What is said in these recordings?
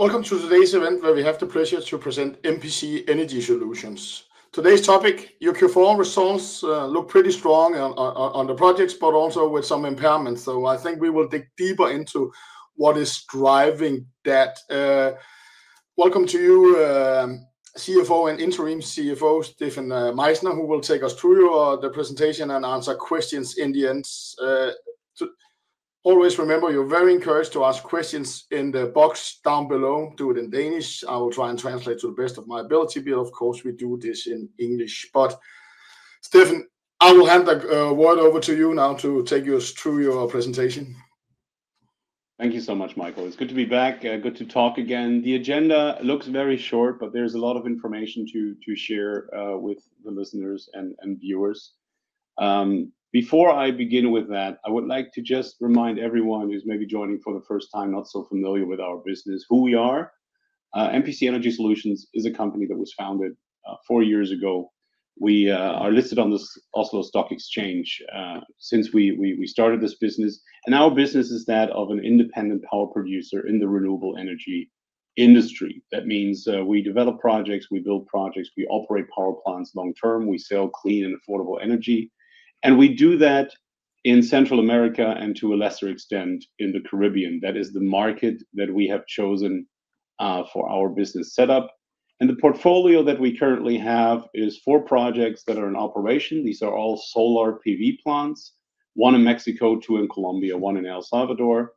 Welcome to today's event, where we have the pleasure to present MPC Energy Solutions. Today's topic, your Q4 results look pretty strong on the projects, but also with some impairments. I think we will dig deeper into what is driving that. Welcome to you, CFO and interim CEO, Stefan Meichsner, who will take us through the presentation and answer questions in the end. Always remember, you are very encouraged to ask questions in the box down below. Do it in Danish. I will try and translate to the best of my ability. Of course, we do this in English. Stefan, I will hand the word over to you now to take us through your presentation. Thank you so much, Michael. It's good to be back. Good to talk again. The agenda looks very short, but there's a lot of information to share with the listeners and viewers. Before I begin with that, I would like to just remind everyone who's maybe joining for the first time, not so familiar with our business, who we are. MPC Energy Solutions is a company that was founded four years ago. We are listed on the Oslo Stock Exchange since we started this business. Our business is that of an independent power producer in the renewable energy industry. That means we develop projects, we build projects, we operate power plants long-term, we sell clean and affordable energy. We do that in Central America and to a lesser extent in the Caribbean. That is the market that we have chosen for our business setup. The portfolio that we currently have is four projects that are in operation. These are all solar PV plants, one in Mexico, two in Colombia, one in El Salvador.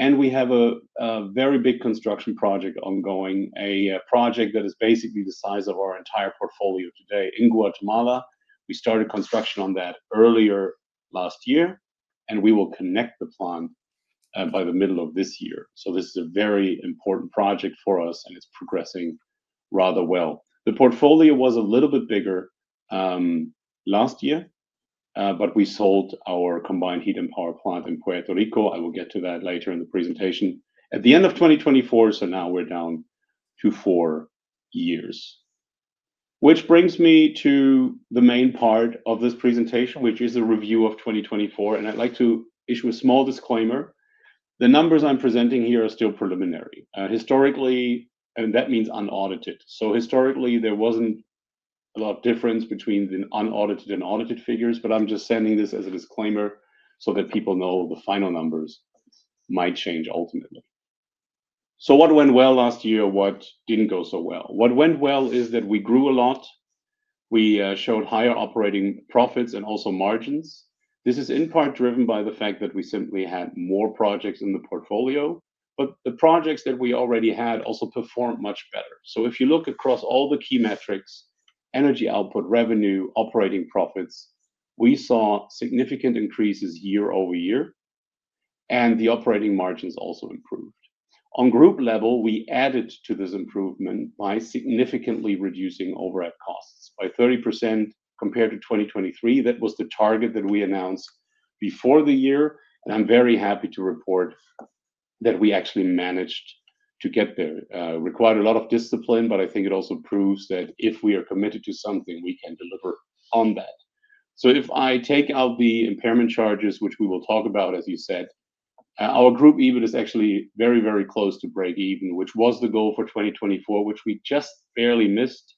We have a very big construction project ongoing, a project that is basically the size of our entire portfolio today in Guatemala. We started construction on that earlier last year, and we will connect the plant by the middle of this year. This is a very important project for us, and it is progressing rather well. The portfolio was a little bit bigger last year, but we sold our combined heat and power plant in Puerto Rico. I will get to that later in the presentation. At the end of 2024, we are now down to four years, which brings me to the main part of this presentation, which is a review of 2024. I'd like to issue a small disclaimer. The numbers I'm presenting here are still preliminary. Historically, and that means unaudited. Historically, there wasn't a lot of difference between the unaudited and audited figures, but I'm just sending this as a disclaimer so that people know the final numbers might change ultimately. What went well last year, what didn't go so well? What went well is that we grew a lot. We showed higher operating profits and also margins. This is in part driven by the fact that we simply had more projects in the portfolio, but the projects that we already had also performed much better. If you look across all the key metrics, energy output, revenue, operating profits, we saw significant increases year-over-year, and the operating margins also improved. On group level, we added to this improvement by significantly reducing overhead costs by 30% compared to 2023. That was the target that we announced before the year. I'm very happy to report that we actually managed to get there. It required a lot of discipline, but I think it also proves that if we are committed to something, we can deliver on that. If I take out the impairment charges, which we will talk about, as you said, our group EBIT is actually very, very close to break even, which was the goal for 2024, which we just barely missed.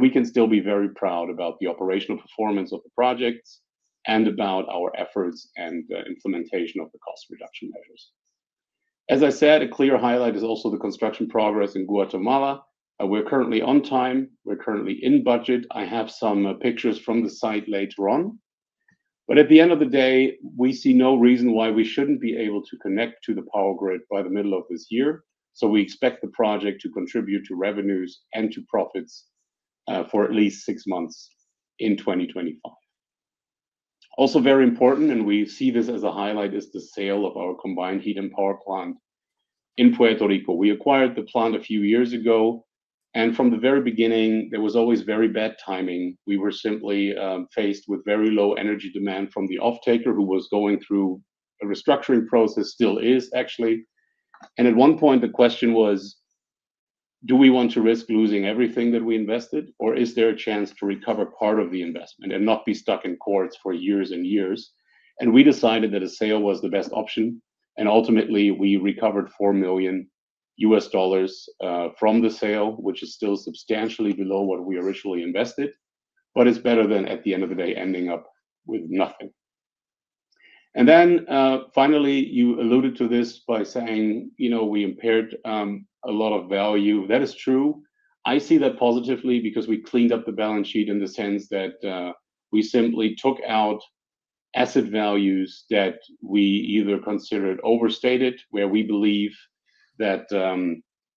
We can still be very proud about the operational performance of the projects and about our efforts and implementation of the cost reduction measures. As I said, a clear highlight is also the construction progress in Guatemala. We're currently on time. We're currently in budget. I have some pictures from the site later on. At the end of the day, we see no reason why we shouldn't be able to connect to the power grid by the middle of this year. We expect the project to contribute to revenues and to profits for at least six months in 2025. Also very important, and we see this as a highlight, is the sale of our combined heat and power plant in Puerto Rico. We acquired the plant a few years ago. From the very beginning, there was always very bad timing. We were simply faced with very low energy demand from the off-taker, who was going through a restructuring process, still is actually. At one point, the question was, do we want to risk losing everything that we invested, or is there a chance to recover part of the investment and not be stuck in courts for years and years? We decided that a sale was the best option. Ultimately, we recovered $4 million from the sale, which is still substantially below what we originally invested, but it's better than at the end of the day ending up with nothing. Finally, you alluded to this by saying, you know, we impaired a lot of value. That is true. I see that positively because we cleaned up the balance sheet in the sense that we simply took out asset values that we either considered overstated, where we believe that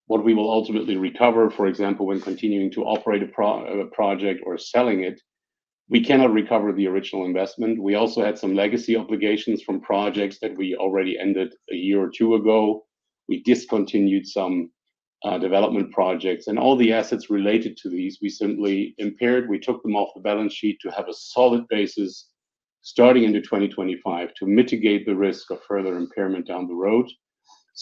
what we will ultimately recover, for example, when continuing to operate a project or selling it, we cannot recover the original investment. We also had some legacy obligations from projects that we already ended a year or two ago. We discontinued some development projects. All the assets related to these, we simply impaired. We took them off the balance sheet to have a solid basis starting into 2025 to mitigate the risk of further impairment down the road.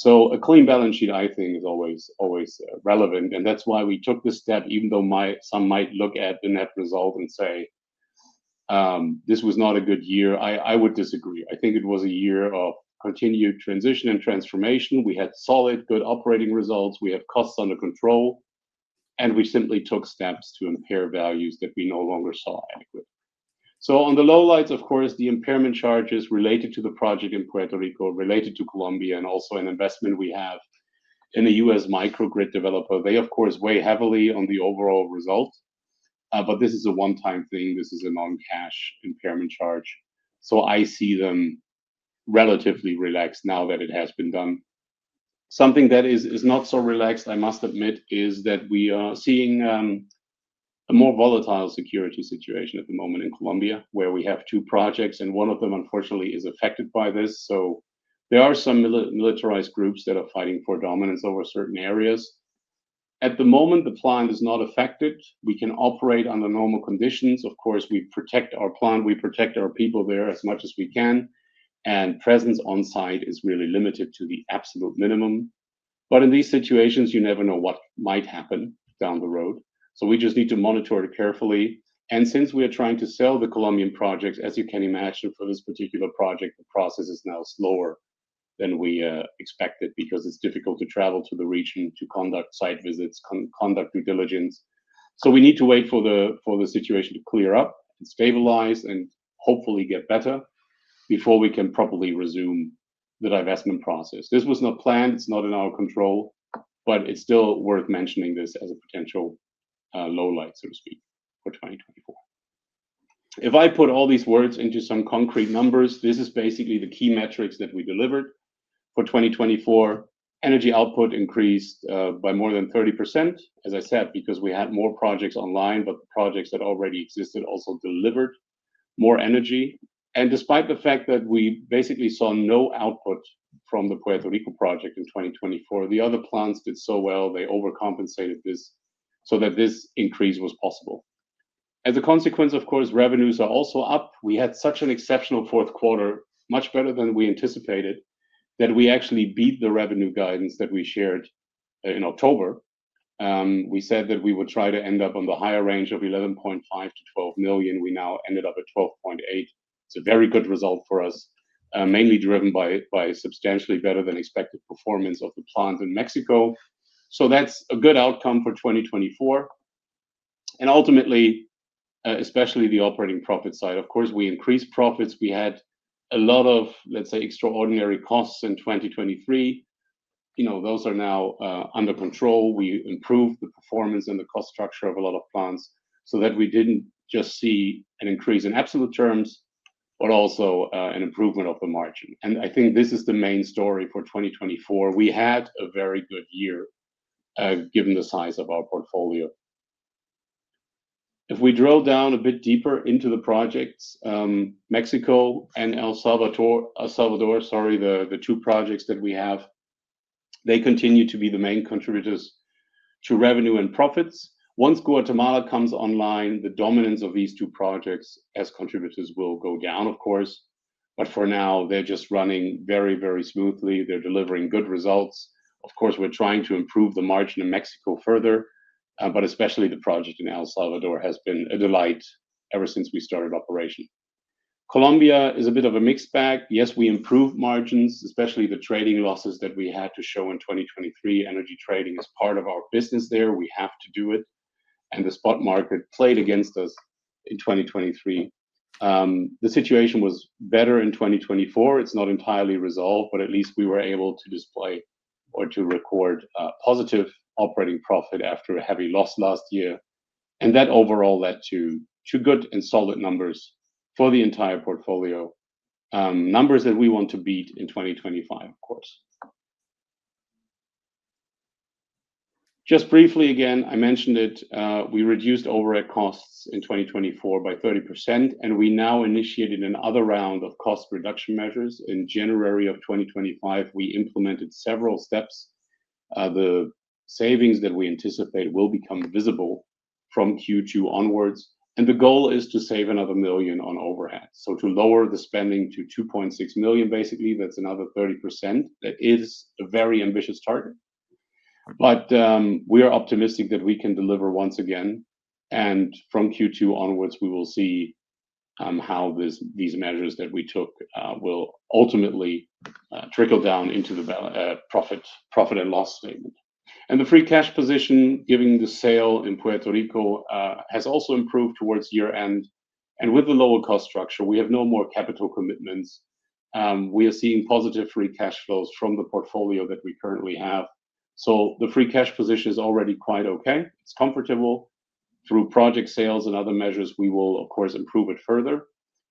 A clean balance sheet, I think, is always relevant. That is why we took this step, even though some might look at the net result and say, this was not a good year. I would disagree. I think it was a year of continued transition and transformation. We had solid, good operating results. We have costs under control. We simply took steps to impair values that we no longer saw adequate. On the low lights, of course, the impairment charges related to the project in Puerto Rico, related to Colombia, and also an investment we have in a US Microgrid developer. They, of course, weigh heavily on the overall result, but this is a one-time thing. This is a non-cash impairment charge. I see them relatively relaxed now that it has been done. Something that is not so relaxed, I must admit, is that we are seeing a more volatile security situation at the moment in Colombia, where we have two projects, and one of them, unfortunately, is affected by this. There are some militarized groups that are fighting for dominance over certain areas. At the moment, the plant is not affected. We can operate under normal conditions. Of course, we protect our plant. We protect our people there as much as we can. Presence on site is really limited to the absolute minimum. In these situations, you never know what might happen down the road. We just need to monitor it carefully. Since we are trying to sell the Colombian projects, as you can imagine, for this particular project, the process is now slower than we expected because it's difficult to travel to the region, to conduct site visits, conduct due diligence. We need to wait for the situation to clear up and stabilize and hopefully get better before we can properly resume the divestment process. This was not planned. It's not in our control, but it's still worth mentioning this as a potential low light, so to speak, for 2024. If I put all these words into some concrete numbers, this is basically the key metrics that we delivered for 2024. Energy output increased by more than 30%, as I said, because we had more projects online, but the projects that already existed also delivered more energy. Despite the fact that we basically saw no output from the Puerto Rico project in 2024, the other plants did so well. They overcompensated this so that this increase was possible. As a consequence, of course, revenues are also up. We had such an exceptional fourth quarter, much better than we anticipated, that we actually beat the revenue guidance that we shared in October. We said that we would try to end up on the higher range of $11.5 million-$12 million. We now ended up at $12.8 million. It's a very good result for us, mainly driven by substantially better than expected performance of the plant in Mexico. That's a good outcome for 2024. Ultimately, especially the operating profit side, of course, we increased profits. We had a lot of, let's say, extraordinary costs in 2023. You know, those are now under control. We improved the performance and the cost structure of a lot of plants so that we didn't just see an increase in absolute terms, but also an improvement of the margin. I think this is the main story for 2024. We had a very good year given the size of our portfolio. If we drill down a bit deeper into the projects, Mexico and El Salvador, sorry, the two projects that we have, they continue to be the main contributors to revenue and profits. Once Guatemala comes online, the dominance of these two projects as contributors will go down, of course. For now, they're just running very, very smoothly. They're delivering good results. Of course, we're trying to improve the margin in Mexico further, but especially the project in El Salvador has been a delight ever since we started operation. Colombia is a bit of a mixed bag. Yes, we improved margins, especially the trading losses that we had to show in 2023. Energy trading is part of our business there. We have to do it. The spot market played against us in 2023. The situation was better in 2024. It's not entirely resolved, but at least we were able to display or to record positive operating profit after a heavy loss last year. That overall led to good and solid numbers for the entire portfolio, numbers that we want to beat in 2025, of course. Just briefly again, I mentioned it. We reduced overhead costs in 2024 by 30%, and we now initiated another round of cost reduction measures. In January of 2025, we implemented several steps. The savings that we anticipate will become visible from Q2 onwards. The goal is to save another $1 million on overhead. To lower the spending to $2.6 million, basically, that's another 30%. That is a very ambitious target. We are optimistic that we can deliver once again. From Q2 onwards, we will see how these measures that we took will ultimately trickle down into the profit and loss statement. The free cash position, given the sale in Puerto Rico, has also improved towards year-end. With the lower cost structure, we have no more capital commitments. We are seeing positive free cash flows from the portfolio that we currently have. The free cash position is already quite okay. It is comfortable. Through project sales and other measures, we will, of course, improve it further.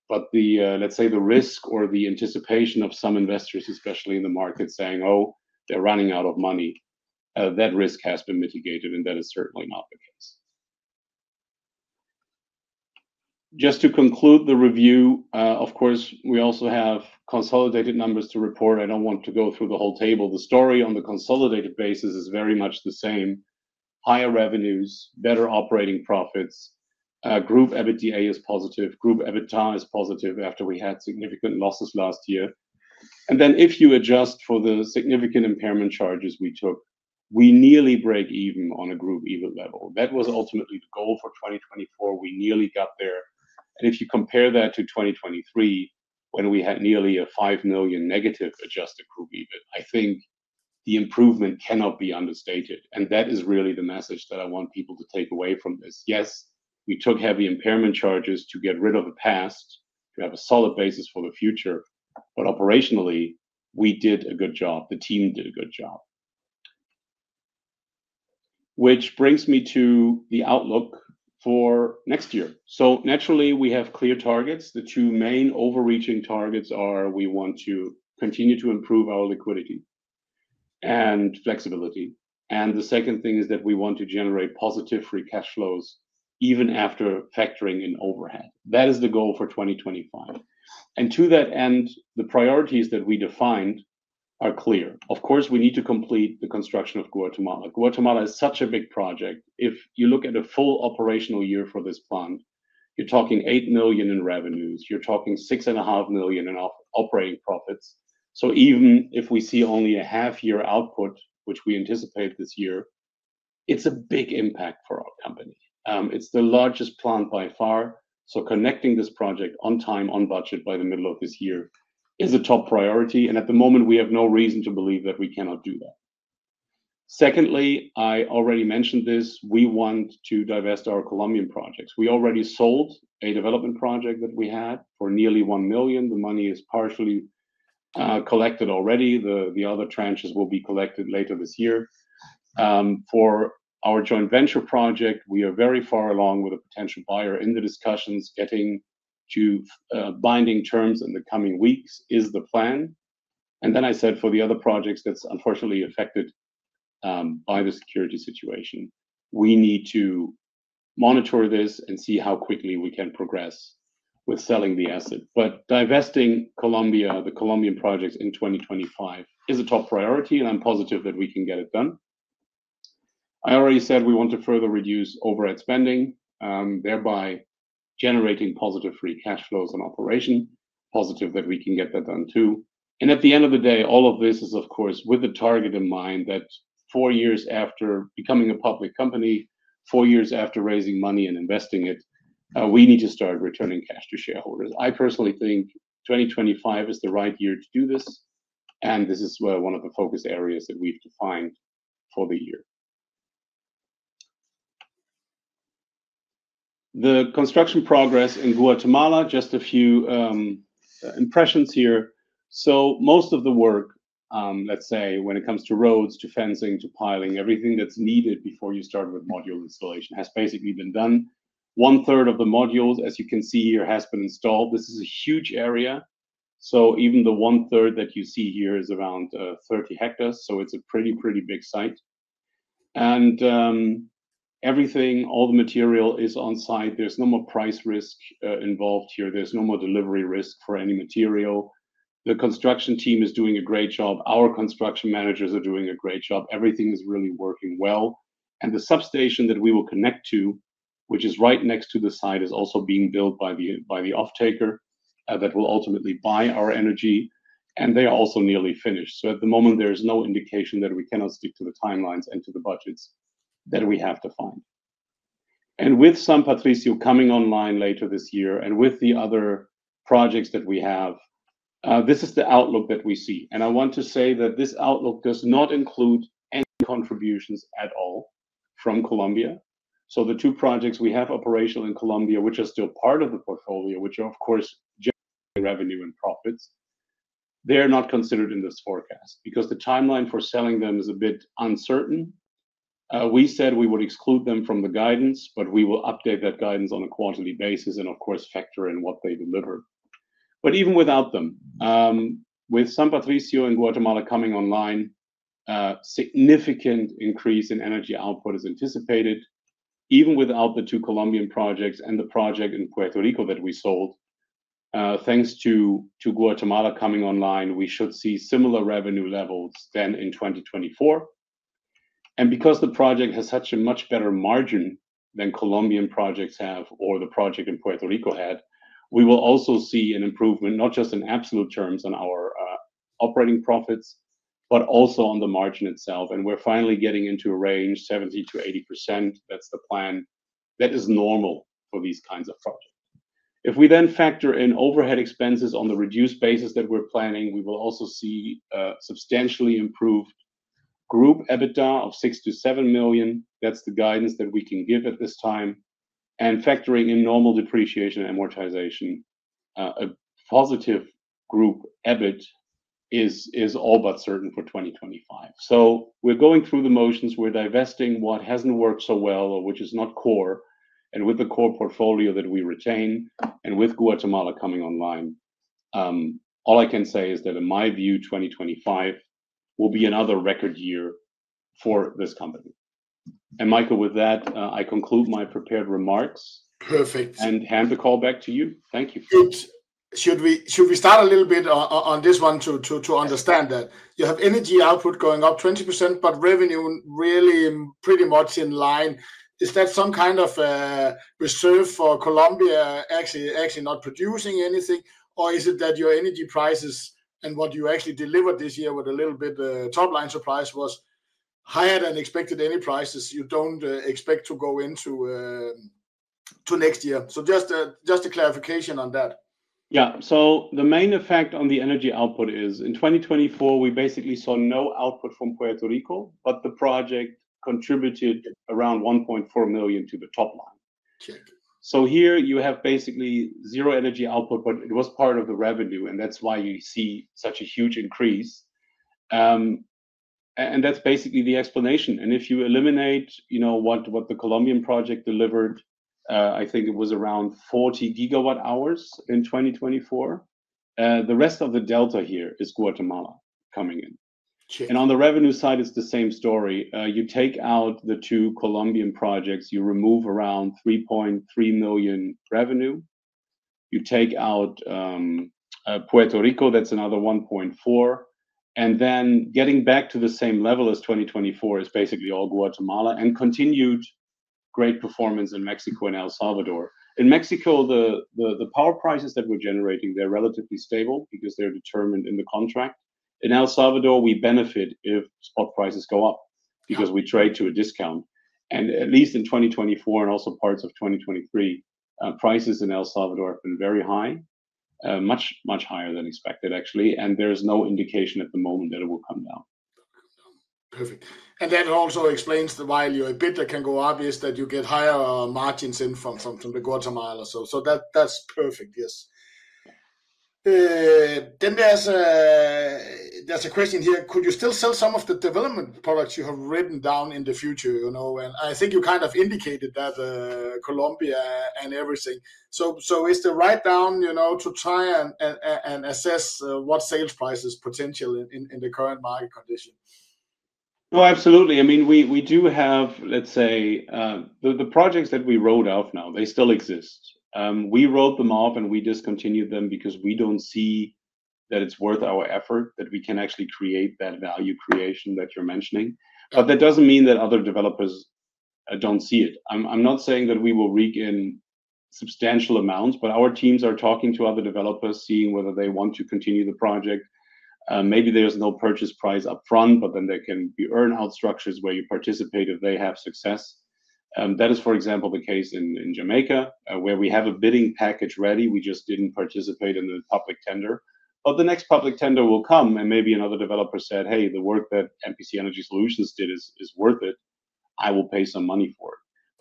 Let's say the risk or the anticipation of some investors, especially in the market, saying, oh, they're running out of money, that risk has been mitigated, and that is certainly not the case. Just to conclude the review, of course, we also have consolidated numbers to report. I do not want to go through the whole table. The story on the consolidated basis is very much the same. Higher revenues, better operating profits. Group EBITDA is positive. Group EBITA is positive after we had significant losses last year. If you adjust for the significant impairment charges we took, we nearly break even on a group EBIT level. That was ultimately the goal for 2024. We nearly got there. If you compare that to 2023, when we had nearly a $5 million negative adjusted group EBIT, I think the improvement cannot be understated. That is really the message that I want people to take away from this. Yes, we took heavy impairment charges to get rid of the past, to have a solid basis for the future. Operationally, we did a good job. The team did a good job. Which brings me to the outlook for next year. Naturally, we have clear targets. The two main overreaching targets are we want to continue to improve our liquidity and flexibility. The second thing is that we want to generate positive free cash flows even after factoring in overhead. That is the goal for 2025. To that end, the priorities that we defined are clear. Of course, we need to complete the construction of Guatemala. Guatemala is such a big project. If you look at a full operational year for this plant, you're talking $8 million in revenues. You're talking $6.5 million in operating profits. Even if we see only a half-year output, which we anticipate this year, it's a big impact for our company. It's the largest plant by far. Connecting this project on time, on budget by the middle of this year is a top priority. At the moment, we have no reason to believe that we cannot do that. Secondly, I already mentioned this. We want to divest our Colombian projects. We already sold a development project that we had for nearly $1 million. The money is partially collected already. The other tranches will be collected later this year. For our joint venture project, we are very far along with a potential buyer in the discussions. Getting to binding terms in the coming weeks is the plan. I said for the other projects, that is unfortunately affected by the security situation. We need to monitor this and see how quickly we can progress with selling the asset. Divesting Colombia, the Colombian projects in 2025 is a top priority, and I'm positive that we can get it done. I already said we want to further reduce overhead spending, thereby generating positive free cash flows on operation. Positive that we can get that done too. At the end of the day, all of this is, of course, with the target in mind that four years after becoming a public company, four years after raising money and investing it, we need to start returning cash to shareholders. I personally think 2025 is the right year to do this. This is one of the focus areas that we've defined for the year. The construction progress in Guatemala, just a few impressions here. Most of the work, let's say, when it comes to roads, to fencing, to piling, everything that's needed before you start with module installation has basically been done. One third of the modules, as you can see here, has been installed. This is a huge area. Even the one third that you see here is around 30 hectares. It is a pretty, pretty big site. Everything, all the material is on site. There is no more price risk involved here. There is no more delivery risk for any material. The construction team is doing a great job. Our construction managers are doing a great job. Everything is really working well. The substation that we will connect to, which is right next to the site, is also being built by the offtaker that will ultimately buy our energy. They are also nearly finished. At the moment, there is no indication that we cannot stick to the timelines and to the budgets that we have defined. With San Patricio coming online later this year and with the other projects that we have, this is the outlook that we see. I want to say that this outlook does not include any contributions at all from Colombia. The two projects we have operational in Colombia, which are still part of the portfolio, which are, of course, generating revenue and profits, are not considered in this forecast because the timeline for selling them is a bit uncertain. We said we would exclude them from the guidance, but we will update that guidance on a quarterly basis and, of course, factor in what they deliver. Even without them, with San Patricio and Guatemala coming online, a significant increase in energy output is anticipated. Even without the two Colombian projects and the project in Puerto Rico that we sold, thanks to Guatemala coming online, we should see similar revenue levels than in 2024. Because the project has such a much better margin than Colombian projects have or the project in Puerto Rico had, we will also see an improvement, not just in absolute terms on our operating profits, but also on the margin itself. We are finally getting into a range, 70%-80%. That is the plan. That is normal for these kinds of projects. If we then factor in overhead expenses on the reduced basis that we are planning, we will also see a substantially improved group EBITDA of $6 million-$7 million. That is the guidance that we can give at this time. Factoring in normal depreciation and amortization, a positive group EBIT is all but certain for 2025. We are going through the motions. We are divesting what has not worked so well or which is not core. With the core portfolio that we retain and with Guatemala coming online, all I can say is that in my view, 2025 will be another record year for this company. Michael, with that, I conclude my prepared remarks. Perfect. I hand the call back to you. Thank you. Should we start a little bit on this one to understand that you have energy output going up 20%, but revenue really pretty much in line? Is that some kind of reserve for Colombia actually not producing anything? Is it that your energy prices and what you actually delivered this year with a little bit of top line surprise was higher than expected, any prices you do not expect to go into next year? Just a clarification on that. Yeah. The main effect on the energy output is in 2024, we basically saw no output from Puerto Rico, but the project contributed around $1.4 million to the top line. Here you have basically zero energy output, but it was part of the revenue, and that is why you see such a huge increase. That is basically the explanation. If you eliminate what the Colombian project delivered, I think it was around 40 GWh in 2024. The rest of the delta here is Guatemala coming in. On the revenue side, it is the same story. You take out the two Colombian projects, you remove around $3.3 million revenue. You take out Puerto Rico, that is another $1.4 million. Getting back to the same level as 2024 is basically all Guatemala and continued great performance in Mexico and El Salvador. In Mexico, the power prices that we're generating, they're relatively stable because they're determined in the contract. In El Salvador, we benefit if spot prices go up because we trade to a discount. At least in 2024 and also parts of 2023, prices in El Salvador have been very high, much, much higher than expected, actually. There is no indication at the moment that it will come down. Perfect. That also explains the value. A bit that can go obvious that you get higher margins in from the Guatemala. That's perfect. Yes. There is a question here. Could you still sell some of the development products you have written down in the future? I think you kind of indicated that Colombia and everything. Is the write-down to try and assess what sales prices potential in the current market condition? Absolutely. I mean, we do have, let's say, the projects that we wrote off now, they still exist. We wrote them off and we discontinued them because we don't see that it's worth our effort, that we can actually create that value creation that you're mentioning. That doesn't mean that other developers don't see it. I'm not saying that we will reek in substantial amounts, but our teams are talking to other developers, seeing whether they want to continue the project. Maybe there's no purchase price upfront, but then there can be earn-out structures where you participate if they have success. That is, for example, the case in Jamaica, where we have a bidding package ready. We just didn't participate in the public tender. The next public tender will come. Maybe another developer said, hey, the work that MPC Energy Solutions did is worth it. I will pay some money for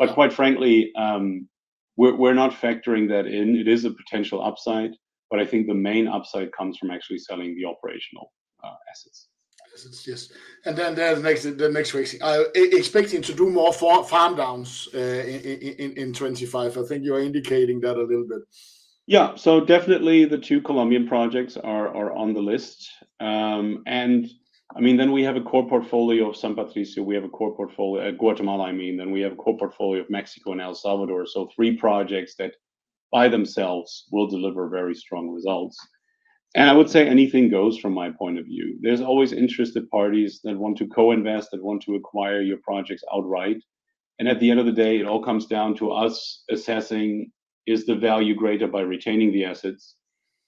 it. Quite frankly, we're not factoring that in. It is a potential upside. I think the main upside comes from actually selling the operational assets. Yes. The next question, expecting to do more farm downs in 2025. I think you're indicating that a little bit. Yeah. Definitely the two Colombian projects are on the list. I mean, we have a core portfolio of San Patricio. We have a core portfolio at Guatemala, I mean. We have a core portfolio of Mexico and El Salvador. Three projects that by themselves will deliver very strong results. I would say anything goes from my point of view. There's always interested parties that want to co-invest that want to acquire your projects outright. At the end of the day, it all comes down to us assessing, is the value greater by retaining the assets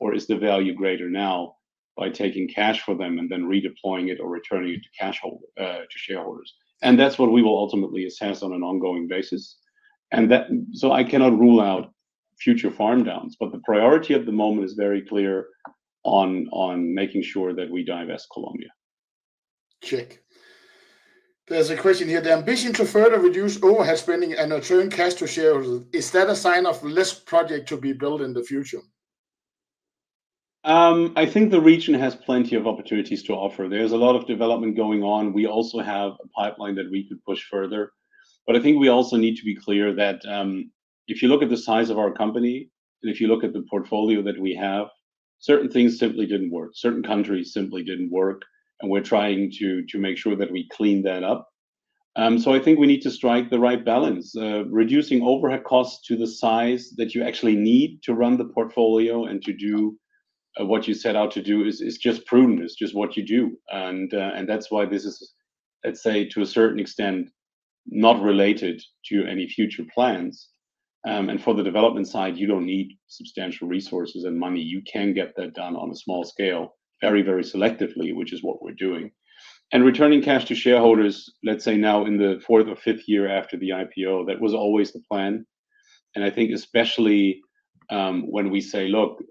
or is the value greater now by taking cash for them and then redeploying it or returning it to shareholders? That is what we will ultimately assess on an ongoing basis. I cannot rule out future farm downs, but the priority at the moment is very clear on making sure that we divest Colombia. Check. There is a question here. The ambition to further reduce overhead spending and return cash to shareholders, is that a sign of less projects to be built in the future? I think the region has plenty of opportunities to offer. There is a lot of development going on. We also have a pipeline that we could push further. I think we also need to be clear that if you look at the size of our company and if you look at the portfolio that we have, certain things simply did not work. Certain countries simply did not work. We are trying to make sure that we clean that up. I think we need to strike the right balance. Reducing overhead costs to the size that you actually need to run the portfolio and to do what you set out to do is just prudent. It is just what you do. That is why this is, let's say, to a certain extent, not related to any future plans. For the development side, you do not need substantial resources and money. You can get that done on a small scale, very, very selectively, which is what we are doing. Returning cash to shareholders, let's say now in the fourth or fifth year after the IPO, that was always the plan. I think especially when we say, look,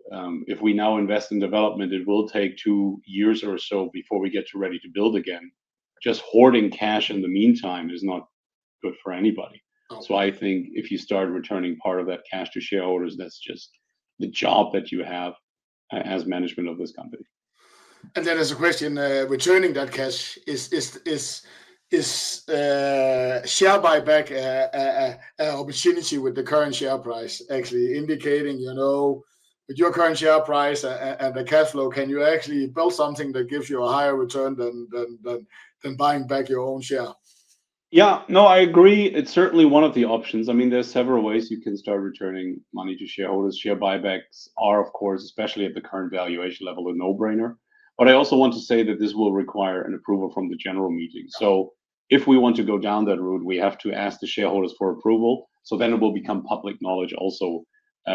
if we now invest in development, it will take two years or so before we get ready to build again. Just hoarding cash in the meantime is not good for anybody. I think if you start returning part of that cash to shareholders, that's just the job that you have as management of this company. There's a question. Returning that cash, is share buyback an opportunity with the current share price actually indicating with your current share price and the cash flow, can you actually build something that gives you a higher return than buying back your own share? Yeah. No, I agree. It's certainly one of the options. I mean, there's several ways you can start returning money to shareholders. Share buybacks are, of course, especially at the current valuation level, a no-brainer. I also want to say that this will require an approval from the general meeting. If we want to go down that road, we have to ask the shareholders for approval. It will become public knowledge also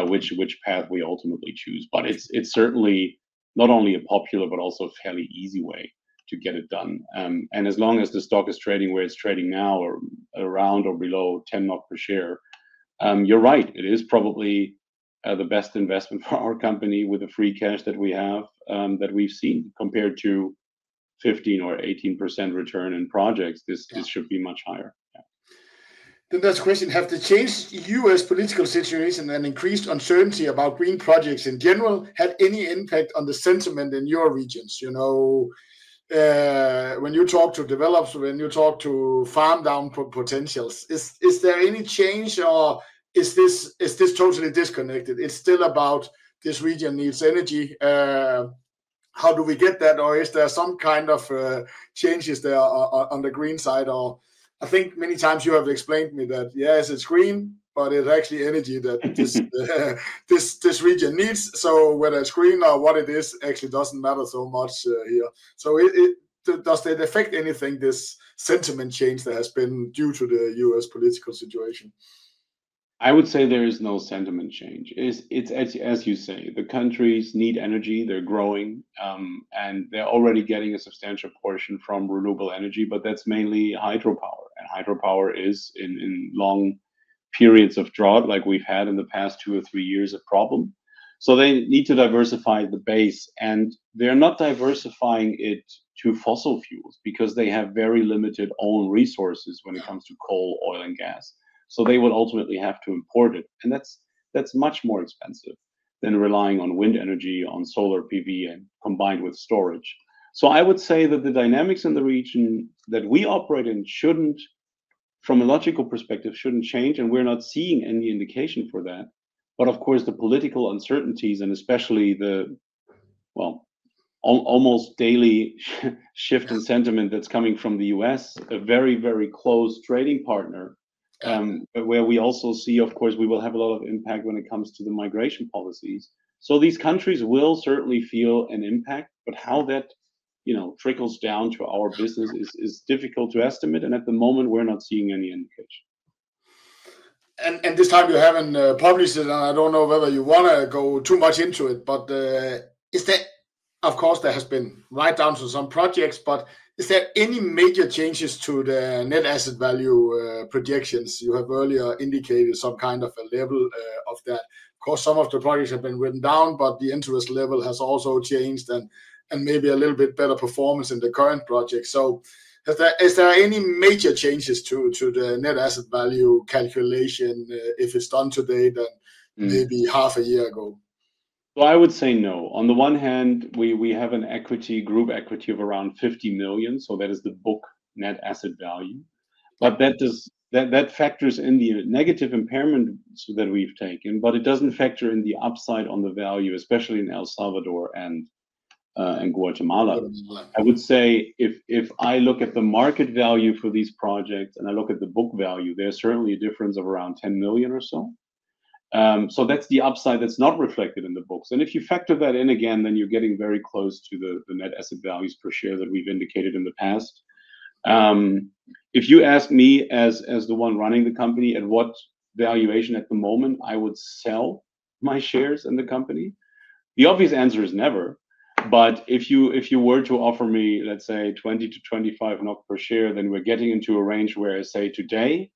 which path we ultimately choose. It is certainly not only a popular, but also a fairly easy way to get it done. As long as the stock is trading where it's trading now or around or below 10 per share, you're right. It is probably the best investment for our company with the free cash that we have that we've seen compared to 15% or 18% return in projects. This should be much higher. There is a question. Have the changed U.S. Political situation and increased uncertainty about green projects in general had any impact on the sentiment in your regions? When you talk to developers, when you talk to farm down potentials, is there any change or is this totally disconnected? It's still about this region needs energy. How do we get that? Or is there some kind of changes on the green side? I think many times you have explained to me that, yes, it's green, but it's actually energy that this region needs. So whether it's green or what it is actually doesn't matter so much here. Does it affect anything, this sentiment change that has been due to the U.S. political situation? I would say there is no sentiment change. It's, as you say, the countries need energy. They're growing. And they're already getting a substantial portion from renewable energy, but that's mainly hydropower. Hydropower is in long periods of drought, like we've had in the past two or three years, a problem. They need to diversify the base. They're not diversifying it to fossil fuels because they have very limited own resources when it comes to coal, oil, and gas. They will ultimately have to import it. That's much more expensive than relying on wind energy, on solar PV, and combined with storage. I would say that the dynamics in the region that we operate in, from a logical perspective, shouldn't change. We're not seeing any indication for that. Of course, the political uncertainties and especially the, well, almost daily shift in sentiment that's coming from the U.S., a very, very close trading partner, where we also see, of course, we will have a lot of impact when it comes to the migration policies. These countries will certainly feel an impact. How that trickles down to our business is difficult to estimate. At the moment, we're not seeing any indication. This time you haven't published it, and I don't know whether you want to go too much into it, but of course, there have been write-downs on some projects. Is there any major changes to the net asset value projections? You have earlier indicated some kind of a level of that. Of course, some of the projects have been written down, but the interest level has also changed and maybe a little bit better performance in the current projects. Is there any major changes to the net asset value calculation if it's done today than maybe half a year ago? I would say no. On the one hand, we have an equity, group equity of around $50 million. That is the book net asset value. That factors in the negative impairment that we've taken, but it doesn't factor in the upside on the value, especially in El Salvador and Guatemala. I would say if I look at the market value for these projects and I look at the book value, there's certainly a difference of around $10 million or so. That's the upside that's not reflected in the books. If you factor that in again, then you're getting very close to the net asset values per share that we've indicated in the past. If you ask me as the one running the company at what valuation at the moment I would sell my shares in the company, the obvious answer is never. If you were to offer me, let's say, 20-25 NOK per share, then we're getting into a range where I say today,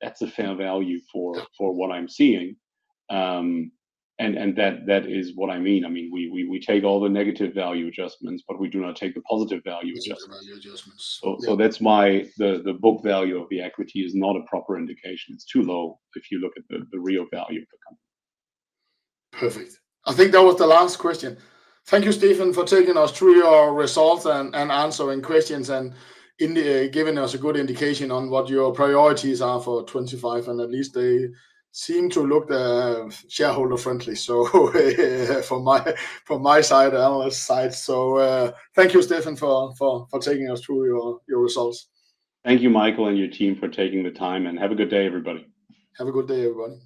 that's a fair value for what I'm seeing. That is what I mean. I mean, we take all the negative value adjustments, but we do not take the positive value adjustments. That's why the book value of the equity is not a proper indication. It's too low if you look at the real value of the company. Perfect. I think that was the last question. Thank you, Stefan, for taking us through your results and answering questions and giving us a good indication on what your priorities are for 2025. At least they seem to look shareholder-friendly from my side, analyst side. Thank you, Stefan, for taking us through your results. Thank you, Michael and your team for taking the time. Have a good day, everybody. Have a good day, everybody.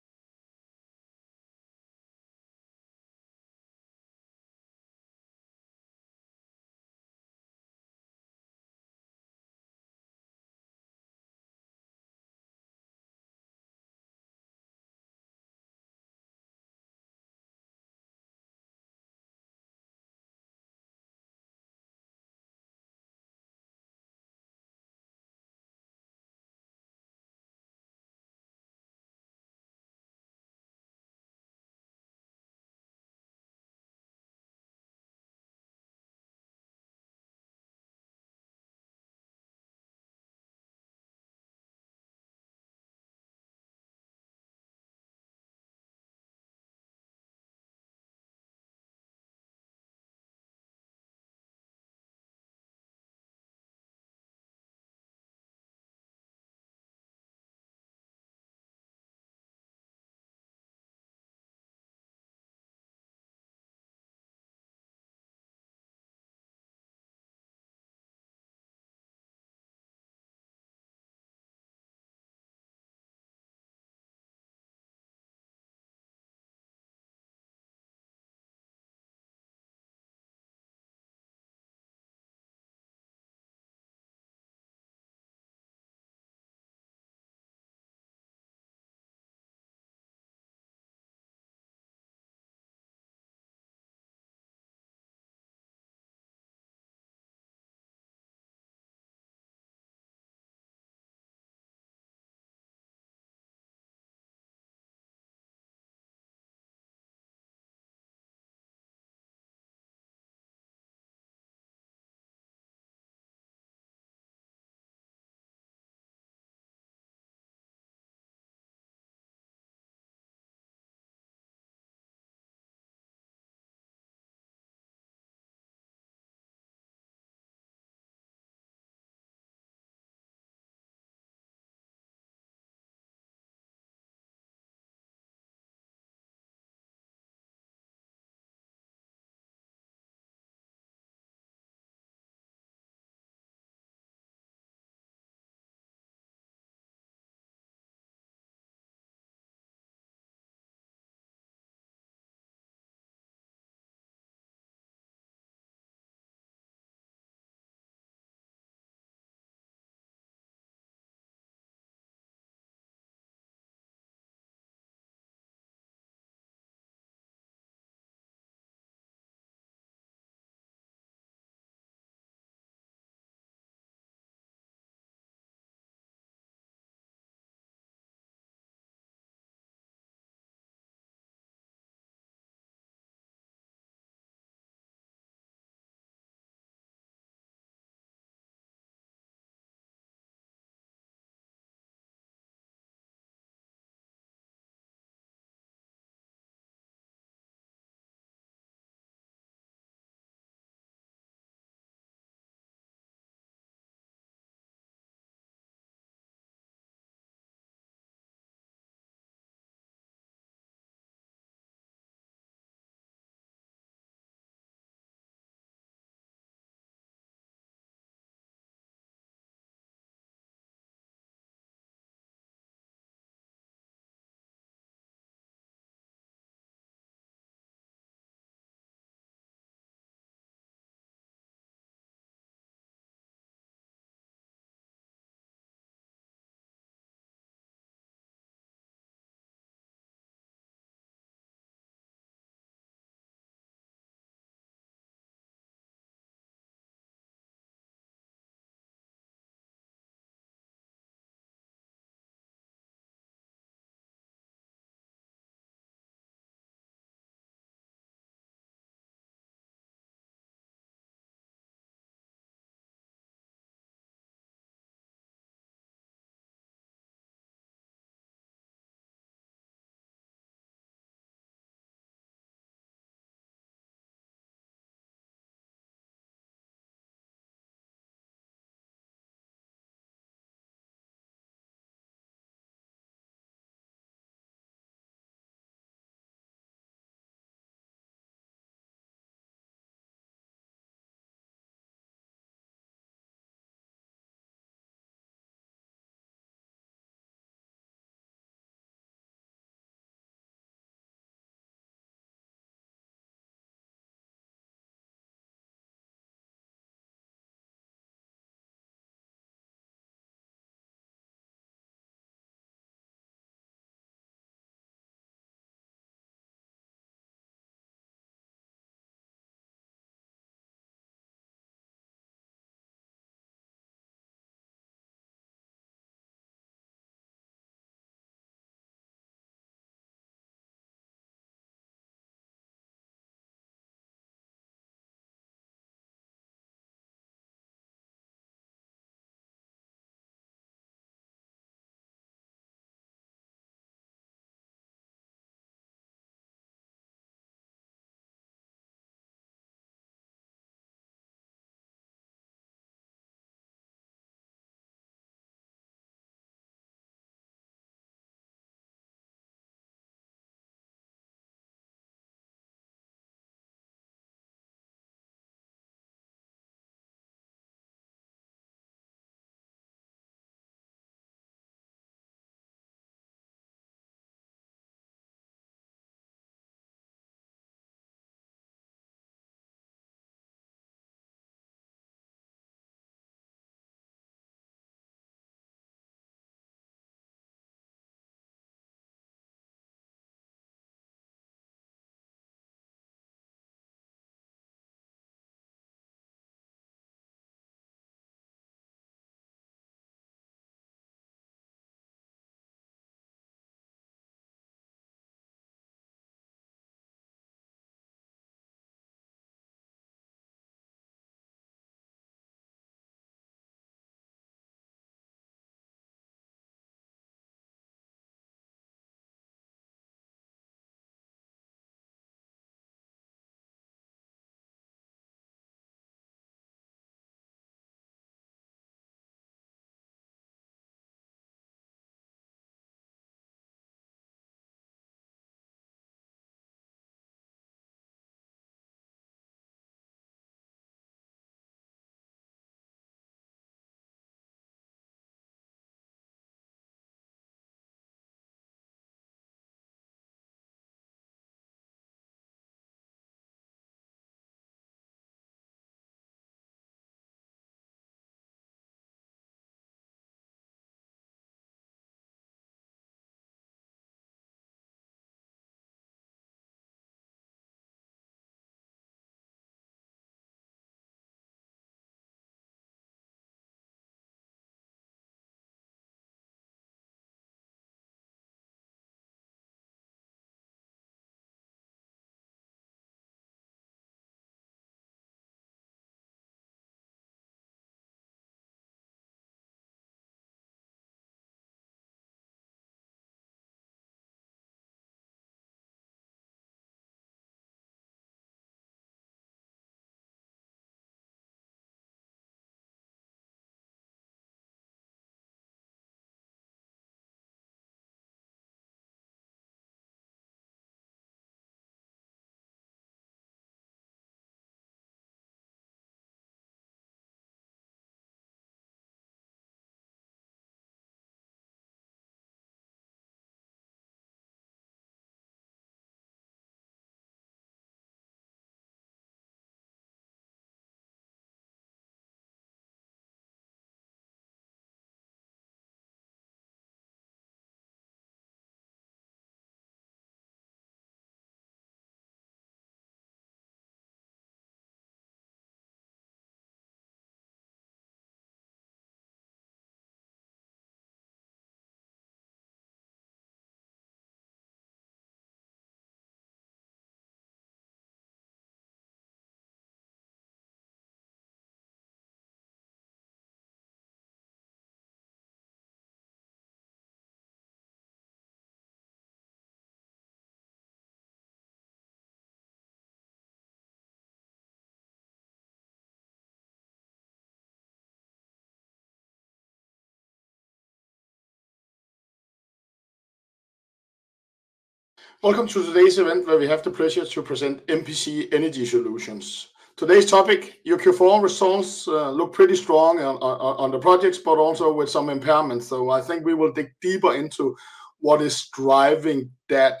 Welcome to today's event, where we have the pleasure to present MPC Energy Solutions. Today's topic, your Q4 results look pretty strong on the projects, but also with some impairments. I think we will dig deeper into what is driving that.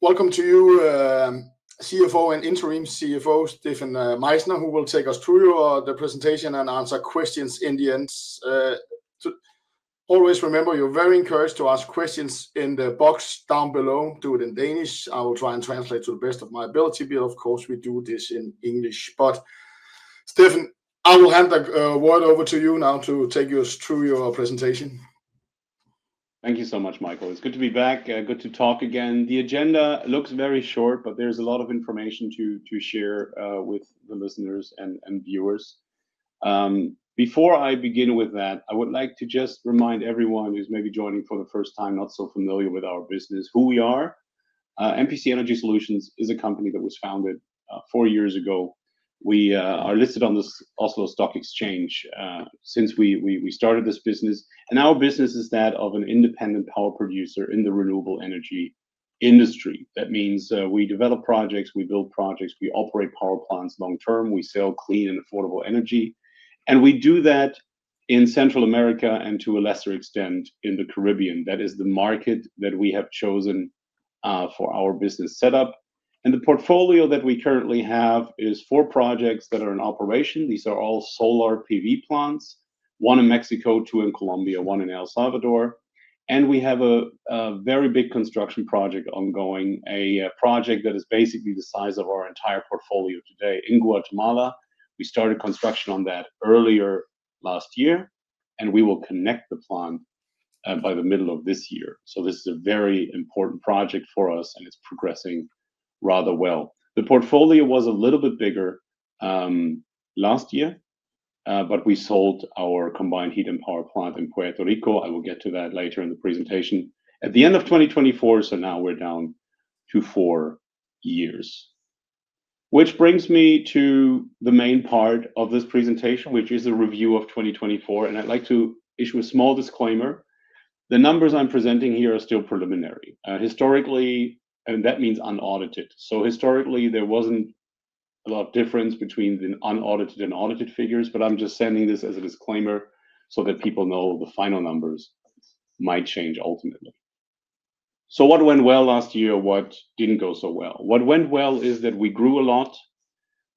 Welcome to you, CFO and interim CEO, Stefan Meichsner, who will take us through the presentation and answer questions in the end. Always remember, you're very encouraged to ask questions in the box down below. Do it in Danish. I will try and translate to the best of my ability. Of course, we do this in English. Stefan, I will hand the word over to you now to take us through your presentation. Thank you so much, Michael. It's good to be back. Good to talk again. The agenda looks very short, but there is a lot of information to share with the listeners and viewers. Before I begin with that, I would like to just remind everyone who's maybe joining for the first time, not so familiar with our business, who we are. MPC Energy Solutions is a company that was founded four years ago. We are listed on the Oslo Stock Exchange since we started this business. Our business is that of an independent power producer in the renewable energy industry. That means we develop projects, we build projects, we operate power plants long term, we sell clean and affordable energy. We do that in Central America and to a lesser extent in the Caribbean. That is the market that we have chosen for our business setup. The portfolio that we currently have is four projects that are in operation. These are all solar PV plants, one in Mexico, two in Colombia, one in El Salvador. We have a very big construction project ongoing, a project that is basically the size of our entire portfolio today in Guatemala. We started construction on that earlier last year, and we will connect the plant by the middle of this year. This is a very important project for us, and it's progressing rather well. The portfolio was a little bit bigger last year, but we sold our combined heat and power plant in Puerto Rico. I will get to that later in the presentation. At the end of 2024, now we're down to four years, which brings me to the main part of this presentation, which is a review of 2024. I'd like to issue a small disclaimer. The numbers I'm presenting here are still preliminary. Historically, and that means unaudited. Historically, there wasn't a lot of difference between the unaudited and audited figures, but I'm just sending this as a disclaimer so that people know the final numbers might change ultimately. What went well last year, what didn't go so well? What went well is that we grew a lot.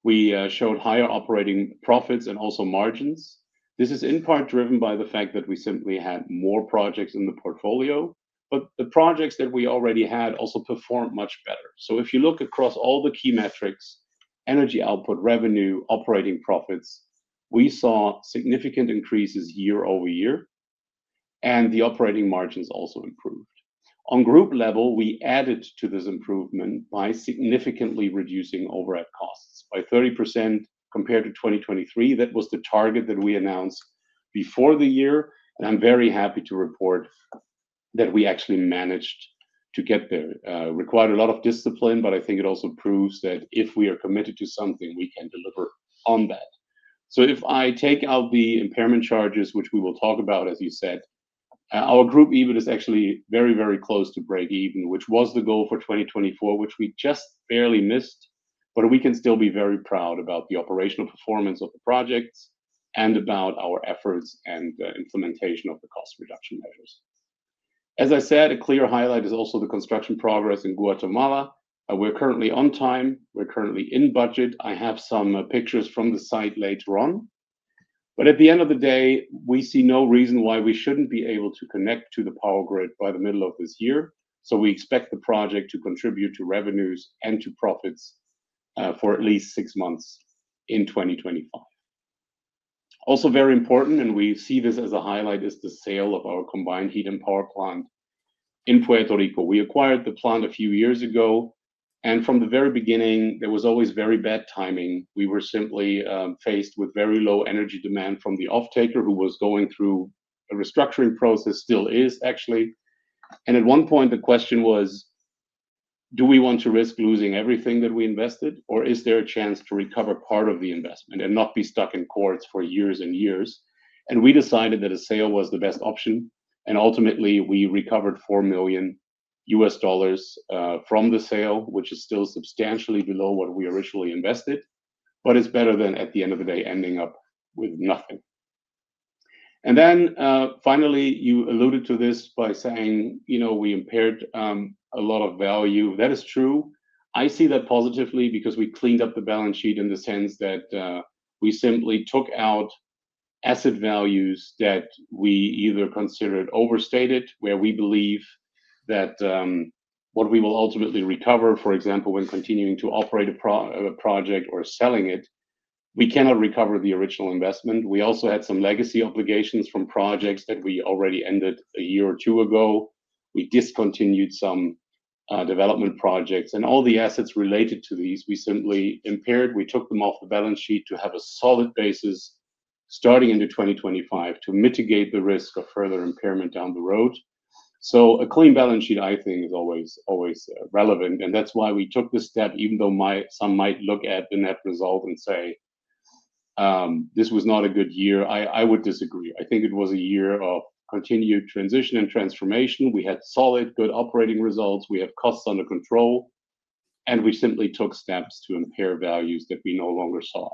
We showed higher operating profits and also margins. This is in part driven by the fact that we simply had more projects in the portfolio, but the projects that we already had also performed much better. If you look across all the key metrics, energy output, revenue, operating profits, we saw significant increases year-over-year, and the operating margins also improved. On group level, we added to this improvement by significantly reducing overhead costs by 30% compared to 2023. That was the target that we announced before the year. I'm very happy to report that we actually managed to get there. It required a lot of discipline, but I think it also proves that if we are committed to something, we can deliver on that. If I take out the impairment charges, which we will talk about, as you said, our group EBIT is actually very, very close to break even, which was the goal for 2024, which we just barely missed. We can still be very proud about the operational performance of the projects and about our efforts and implementation of the cost reduction measures. As I said, a clear highlight is also the construction progress in Guatemala. We're currently on time. We're currently in budget. I have some pictures from the site later on. At the end of the day, we see no reason why we shouldn't be able to connect to the power grid by the middle of this year. We expect the project to contribute to revenues and to profits for at least six months in 2025. Also very important, and we see this as a highlight, is the sale of our combined heat and power plant in Puerto Rico. We acquired the plant a few years ago. From the very beginning, there was always very bad timing. We were simply faced with very low energy demand from the off-taker, who was going through a restructuring process, still is actually. At one point, the question was, do we want to risk losing everything that we invested, or is there a chance to recover part of the investment and not be stuck in courts for years and years? We decided that a sale was the best option. Ultimately, we recovered $4 million from the sale, which is still substantially below what we originally invested. It is better than, at the end of the day, ending up with nothing. Finally, you alluded to this by saying, you know, we impaired a lot of value. That is true. I see that positively because we cleaned up the balance sheet in the sense that we simply took out asset values that we either considered overstated, where we believe that what we will ultimately recover, for example, when continuing to operate a project or selling it, we cannot recover the original investment. We also had some legacy obligations from projects that we already ended a year or two ago. We discontinued some development projects. All the assets related to these, we simply impaired. We took them off the balance sheet to have a solid basis starting into 2025 to mitigate the risk of further impairment down the road. A clean balance sheet, I think, is always relevant. That is why we took this step, even though some might look at the net result and say, this was not a good year. I would disagree. I think it was a year of continued transition and transformation. We had solid, good operating results. We have costs under control. We simply took steps to impair values that we no longer saw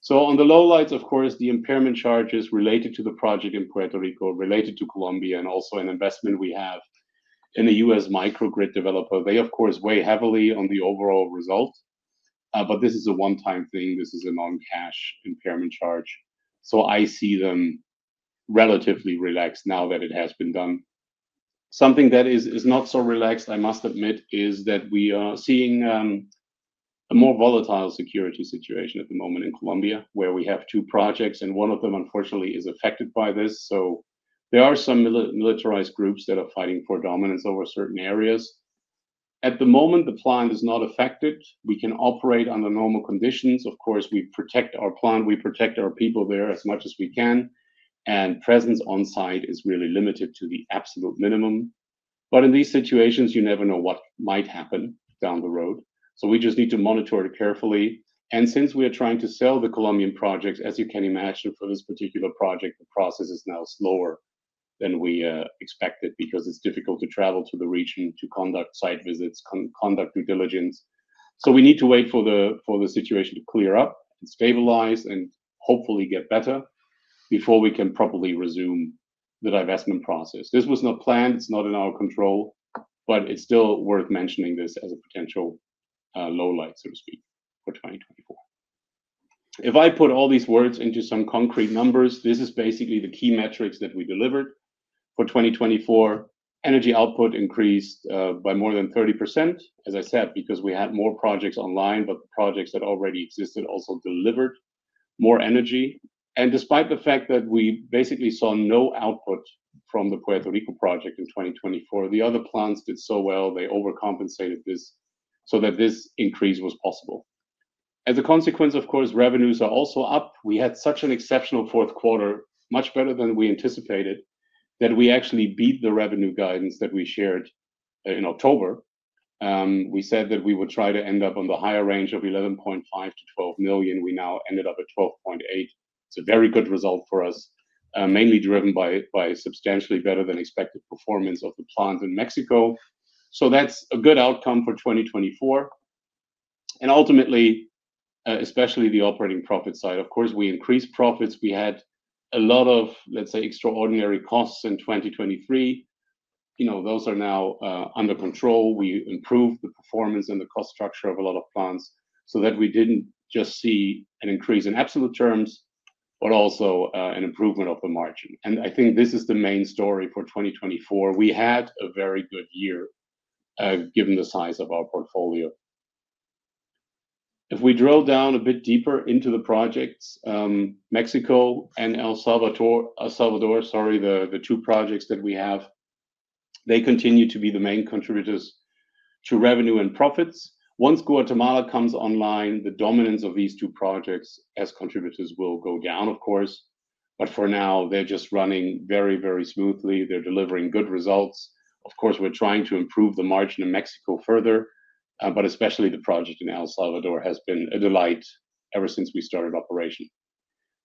adequate. On the low lights, of course, the impairment charges related to the project in Puerto Rico, related to Colombia, and also an investment we have in a US Microgrid developer. They, of course, weigh heavily on the overall result. This is a one-time thing. This is a non-cash impairment charge. I see them relatively relaxed now that it has been done. Something that is not so relaxed, I must admit, is that we are seeing a more volatile security situation at the moment in Colombia, where we have two projects, and one of them, unfortunately, is affected by this. There are some militarized groups that are fighting for dominance over certain areas. At the moment, the plant is not affected. We can operate under normal conditions. Of course, we protect our plant. We protect our people there as much as we can. Presence on site is really limited to the absolute minimum. In these situations, you never know what might happen down the road. We just need to monitor it carefully. Since we are trying to sell the Colombian projects, as you can imagine, for this particular project, the process is now slower than we expected because it's difficult to travel to the region, to conduct site visits, conduct due diligence. We need to wait for the situation to clear up and stabilize and hopefully get better before we can properly resume the divestment process. This was not planned. It's not in our control. It's still worth mentioning this as a potential low light, so to speak, for 2024. If I put all these words into some concrete numbers, this is basically the key metrics that we delivered for 2024. Energy output increased by more than 30%, as I said, because we had more projects online, but the projects that already existed also delivered more energy. Despite the fact that we basically saw no output from the Puerto Rico project in 2024, the other plants did so well. They overcompensated this so that this increase was possible. As a consequence, of course, revenues are also up. We had such an exceptional fourth quarter, much better than we anticipated, that we actually beat the revenue guidance that we shared in October. We said that we would try to end up on the higher range of $11.5 million-$12 million. We now ended up at $12.8 million. It's a very good result for us, mainly driven by substantially better than expected performance of the plant in Mexico. That's a good outcome for 2024. Ultimately, especially the operating profit side, of course, we increased profits. We had a lot of, let's say, extraordinary costs in 2023. You know, those are now under control. We improved the performance and the cost structure of a lot of plants so that we did not just see an increase in absolute terms, but also an improvement of the margin. I think this is the main story for 2024. We had a very good year given the size of our portfolio. If we drill down a bit deeper into the projects, Mexico and El Salvador, sorry, the two projects that we have, they continue to be the main contributors to revenue and profits. Once Guatemala comes online, the dominance of these two projects as contributors will go down, of course. For now, they are just running very, very smoothly. They are delivering good results. Of course, we are trying to improve the margin in Mexico further, but especially the project in El Salvador has been a delight ever since we started operation.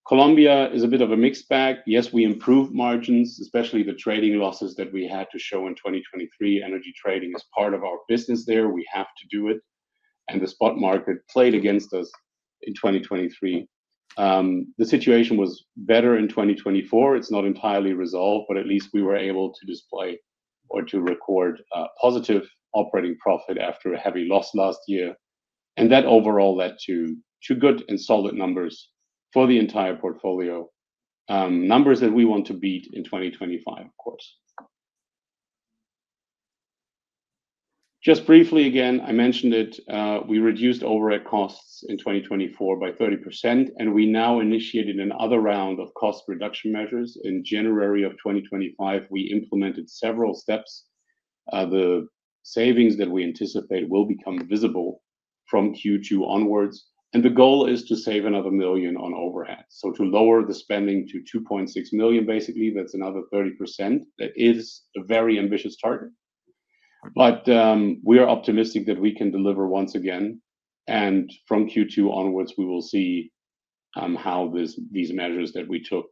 Colombia is a bit of a mixed bag. Yes, we improved margins, especially the trading losses that we had to show in 2023. Energy trading is part of our business there. We have to do it. The spot market played against us in 2023. The situation was better in 2024. It's not entirely resolved, but at least we were able to display or to record positive operating profit after a heavy loss last year. That overall led to good and solid numbers for the entire portfolio, numbers that we want to beat in 2025, of course. Just briefly again, I mentioned it. We reduced overhead costs in 2024 by 30%, and we now initiated another round of cost reduction measures. In January of 2025, we implemented several steps. The savings that we anticipate will become visible from Q2 onwards. The goal is to save another $1 million on overhead. To lower the spending to $2.6 million, basically, that's another 30%. That is a very ambitious target. We are optimistic that we can deliver once again. From Q2 onwards, we will see how these measures that we took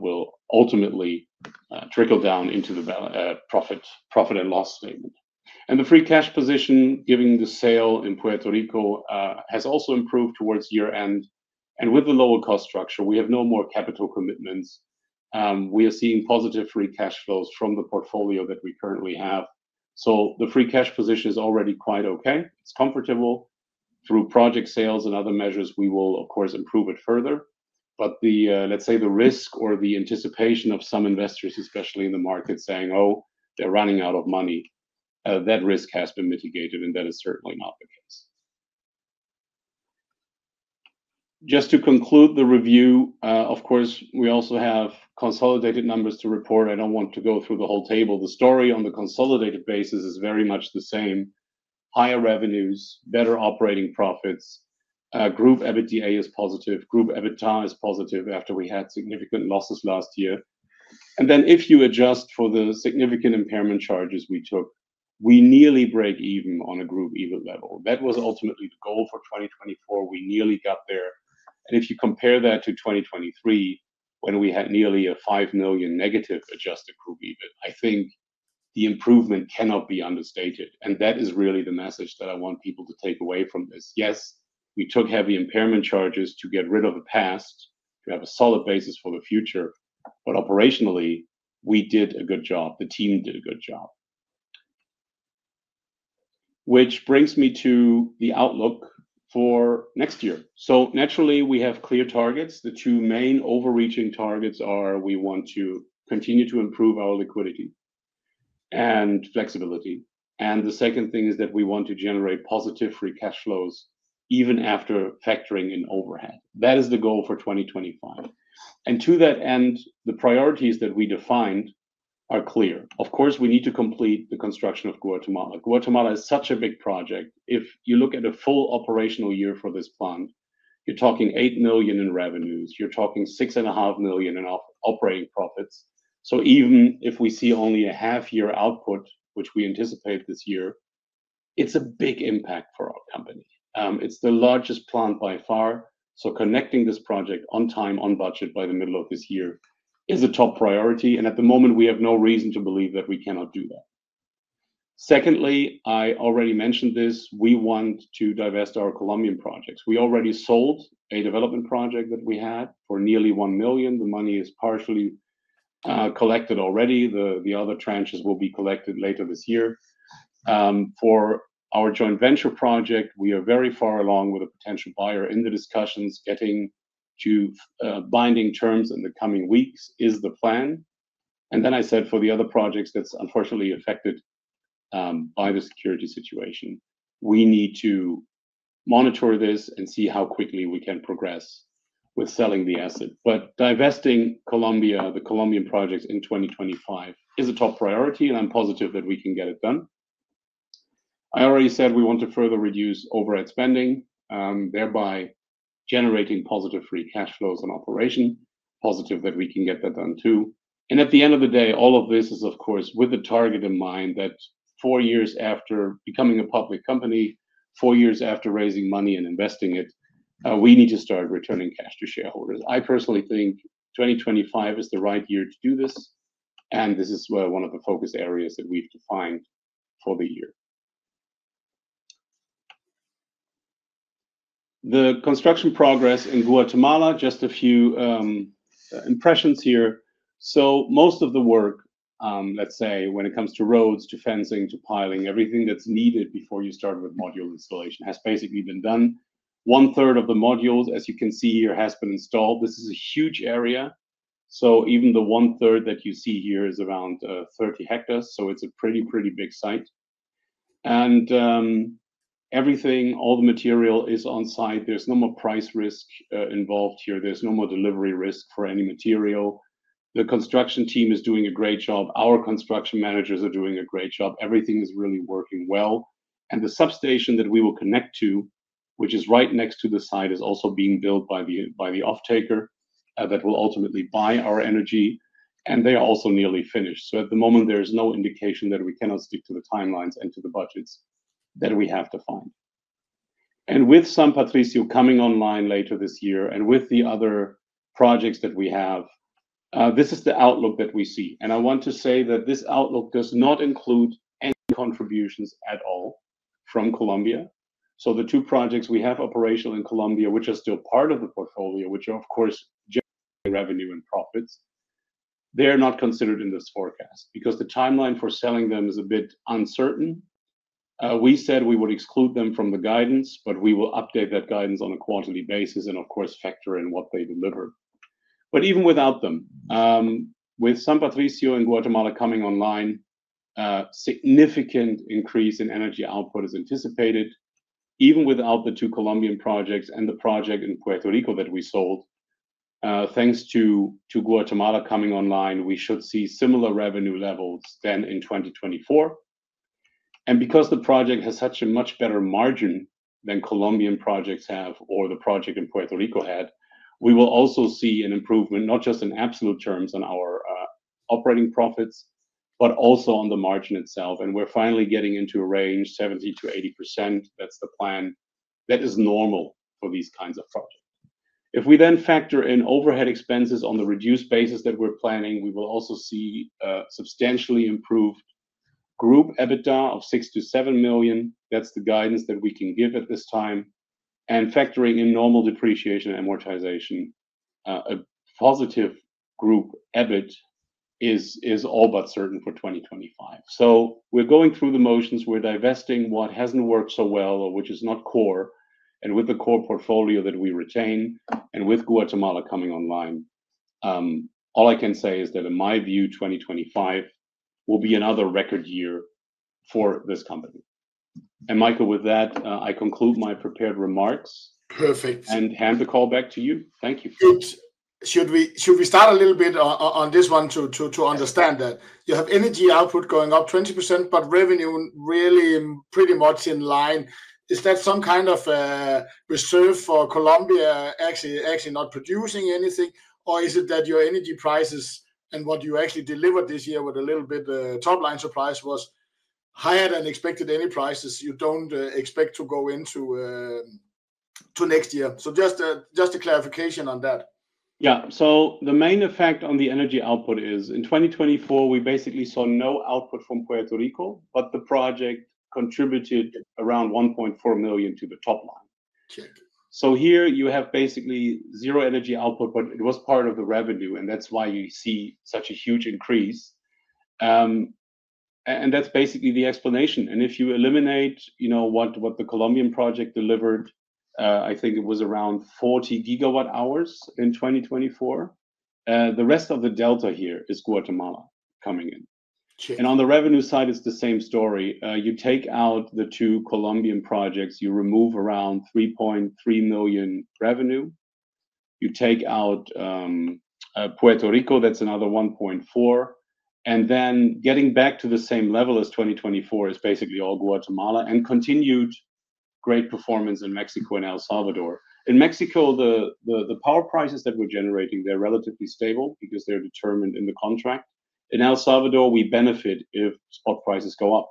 will ultimately trickle down into the profit and loss statement. The free cash position, given the sale in Puerto Rico, has also improved towards year-end. With the lower cost structure, we have no more capital commitments. We are seeing positive free cash flows from the portfolio that we currently have. The free cash position is already quite okay. It's comfortable. Through project sales and other measures, we will, of course, improve it further. Let's say the risk or the anticipation of some investors, especially in the market, saying, oh, they're running out of money, that risk has been mitigated, and that is certainly not the case. Just to conclude the review, of course, we also have consolidated numbers to report. I don't want to go through the whole table. The story on the consolidated basis is very much the same. Higher revenues, better operating profits. Group EBITDA is positive. Group EBITA is positive after we had significant losses last year. If you adjust for the significant impairment charges we took, we nearly break even on a group EBIT level. That was ultimately the goal for 2024. We nearly got there. If you compare that to 2023, when we had nearly a $5 million negative adjusted group EBIT, I think the improvement cannot be understated. That is really the message that I want people to take away from this. Yes, we took heavy impairment charges to get rid of the past, to have a solid basis for the future. Operationally, we did a good job. The team did a good job. Which brings me to the outlook for next year. Naturally, we have clear targets. The two main overreaching targets are we want to continue to improve our liquidity and flexibility. The second thing is that we want to generate positive free cash flows even after factoring in overhead. That is the goal for 2025. To that end, the priorities that we defined are clear. Of course, we need to complete the construction of Guatemala. Guatemala is such a big project. If you look at a full operational year for this plant, you're talking $8 million in revenues. You're talking $6.5 million in operating profits. Even if we see only a half-year output, which we anticipate this year, it's a big impact for our company. It's the largest plant by far. Connecting this project on time, on budget by the middle of this year is a top priority. At the moment, we have no reason to believe that we cannot do that. Secondly, I already mentioned this. We want to divest our Colombian projects. We already sold a development project that we had for nearly $1 million. The money is partially collected already. The other tranches will be collected later this year. For our joint venture project, we are very far along with a potential buyer in the discussions. Getting to binding terms in the coming weeks is the plan. I said for the other projects that are unfortunately affected by the security situation, we need to monitor this and see how quickly we can progress with selling the asset. Divesting Colombia, the Colombian projects in 2025 is a top priority, and I'm positive that we can get it done. I already said we want to further reduce overhead spending, thereby generating positive free cash flows on operation, positive that we can get that done too. At the end of the day, all of this is, of course, with the target in mind that four years after becoming a public company, four years after raising money and investing it, we need to start returning cash to shareholders. I personally think 2025 is the right year to do this. This is one of the focus areas that we've defined for the year. The construction progress in Guatemala, just a few impressions here. Most of the work, let's say, when it comes to roads, to fencing, to piling, everything that's needed before you start with module installation has basically been done. One-third of the modules, as you can see here, has been installed. This is a huge area. Even the one-third that you see here is around 30 hectares. It is a pretty, pretty big site. Everything, all the material is on site. There's no more price risk involved here. There's no more delivery risk for any material. The construction team is doing a great job. Our construction managers are doing a great job. Everything is really working well. The substation that we will connect to, which is right next to the site, is also being built by the offtaker that will ultimately buy our energy. They are also nearly finished. At the moment, there is no indication that we cannot stick to the timelines and to the budgets that we have defined. With San Patricio coming online later this year and with the other projects that we have, this is the outlook that we see. I want to say that this outlook does not include any contributions at all from Colombia. The two projects we have operational in Colombia, which are still part of the portfolio and are, of course, generating revenue and profits, are not considered in this forecast because the timeline for selling them is a bit uncertain. We said we would exclude them from the guidance, but we will update that guidance on a quarterly basis and, of course, factor in what they deliver. Even without them, with San Patricio and Guatemala coming online, a significant increase in energy output is anticipated. Even without the two Colombian projects and the project in Puerto Rico that we sold, thanks to Guatemala coming online, we should see similar revenue levels than in 2024. Because the project has such a much better margin than Colombian projects have or the project in Puerto Rico had, we will also see an improvement, not just in absolute terms on our operating profits, but also on the margin itself. We are finally getting into a range, 70%-80%. That is the plan. That is normal for these kinds of projects. If we then factor in overhead expenses on the reduced basis that we are planning, we will also see a substantially improved group EBITDA of $6 million-$7 million. That is the guidance that we can give at this time. Factoring in normal depreciation amortization, a positive group EBIT is all but certain for 2025. We're going through the motions. We're divesting what hasn't worked so well or which is not core. With the core portfolio that we retain and with Guatemala coming online, all I can say is that in my view, 2025 will be another record year for this company. Michael, with that, I conclude my prepared remarks. Perfect. I hand the call back to you. Thank you. Should we start a little bit on this one to understand that you have energy output going up 20%, but revenue really pretty much in line? Is that some kind of reserve for Colombia actually not producing anything? Is it that your energy prices and what you actually delivered this year with a little bit of top-line surprise was higher than expected, any prices you do not expect to go into next year? Just a clarification on that. Yeah. The main effect on the energy output is in 2024, we basically saw no output from Puerto Rico, but the project contributed around $1.4 million to the top line. Here you have basically zero energy output, but it was part of the revenue, and that is why you see such a huge increase. That is basically the explanation. If you eliminate what the Colombian project delivered, I think it was around 40 gigawatt hours in 2024. The rest of the delta here is Guatemala coming in. On the revenue side, it is the same story. You take out the two Colombian projects, you remove around $3.3 million revenue. You take out Puerto Rico, that's another $1.4 million. Getting back to the same level as 2024 is basically all Guatemala and continued great performance in Mexico and El Salvador. In Mexico, the power prices that we're generating, they're relatively stable because they're determined in the contract. In El Salvador, we benefit if spot prices go up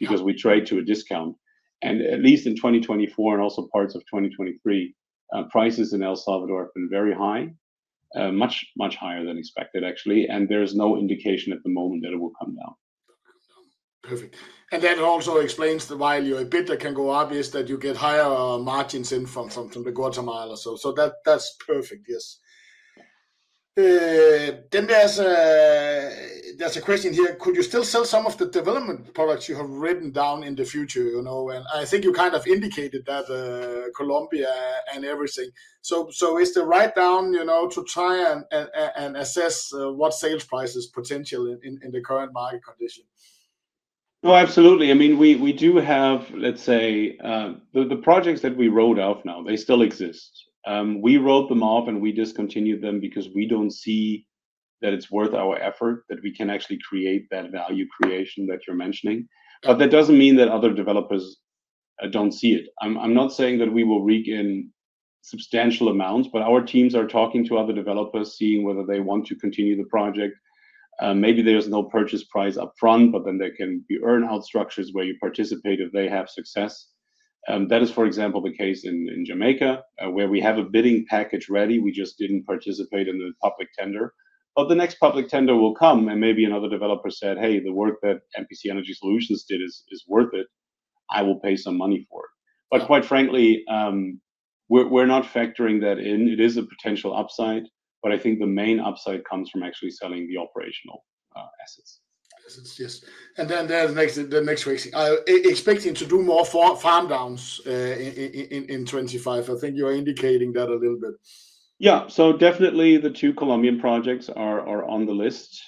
because we trade to a discount. At least in 2024 and also parts of 2023, prices in El Salvador have been very high, much, much higher than expected, actually. There is no indication at the moment that it will come down. Perfect. That also explains the value. A bit that can go obvious that you get higher margins in from the Guatemala. That's perfect. Yes. There is a question here. Could you still sell some of the development products you have written down in the future? I think you kind of indicated that Colombia and everything. Is the write-down to try and assess what sales price is potential in the current market condition? Absolutely. I mean, we do have, let's say, the projects that we wrote out now, they still exist. We wrote them off and we discontinued them because we don't see that it's worth our effort, that we can actually create that value creation that you're mentioning. That doesn't mean that other developers don't see it. I'm not saying that we will reek in substantial amounts, but our teams are talking to other developers, seeing whether they want to continue the project. Maybe there's no purchase price upfront, but then there can be earn-out structures where you participate if they have success. That is, for example, the case in Jamaica, where we have a bidding package ready. We just did not participate in the public tender. The next public tender will come, and maybe another developer said, "Hey, the work that MPC Energy Solutions did is worth it. I will pay some money for it." Quite frankly, we are not factoring that in. It is a potential upside, but I think the main upside comes from actually selling the operational assets. Yes. The next question, expecting to do more farm downs in 2025. I think you are indicating that a little bit. Yeah. Definitely the two Colombian projects are on the list.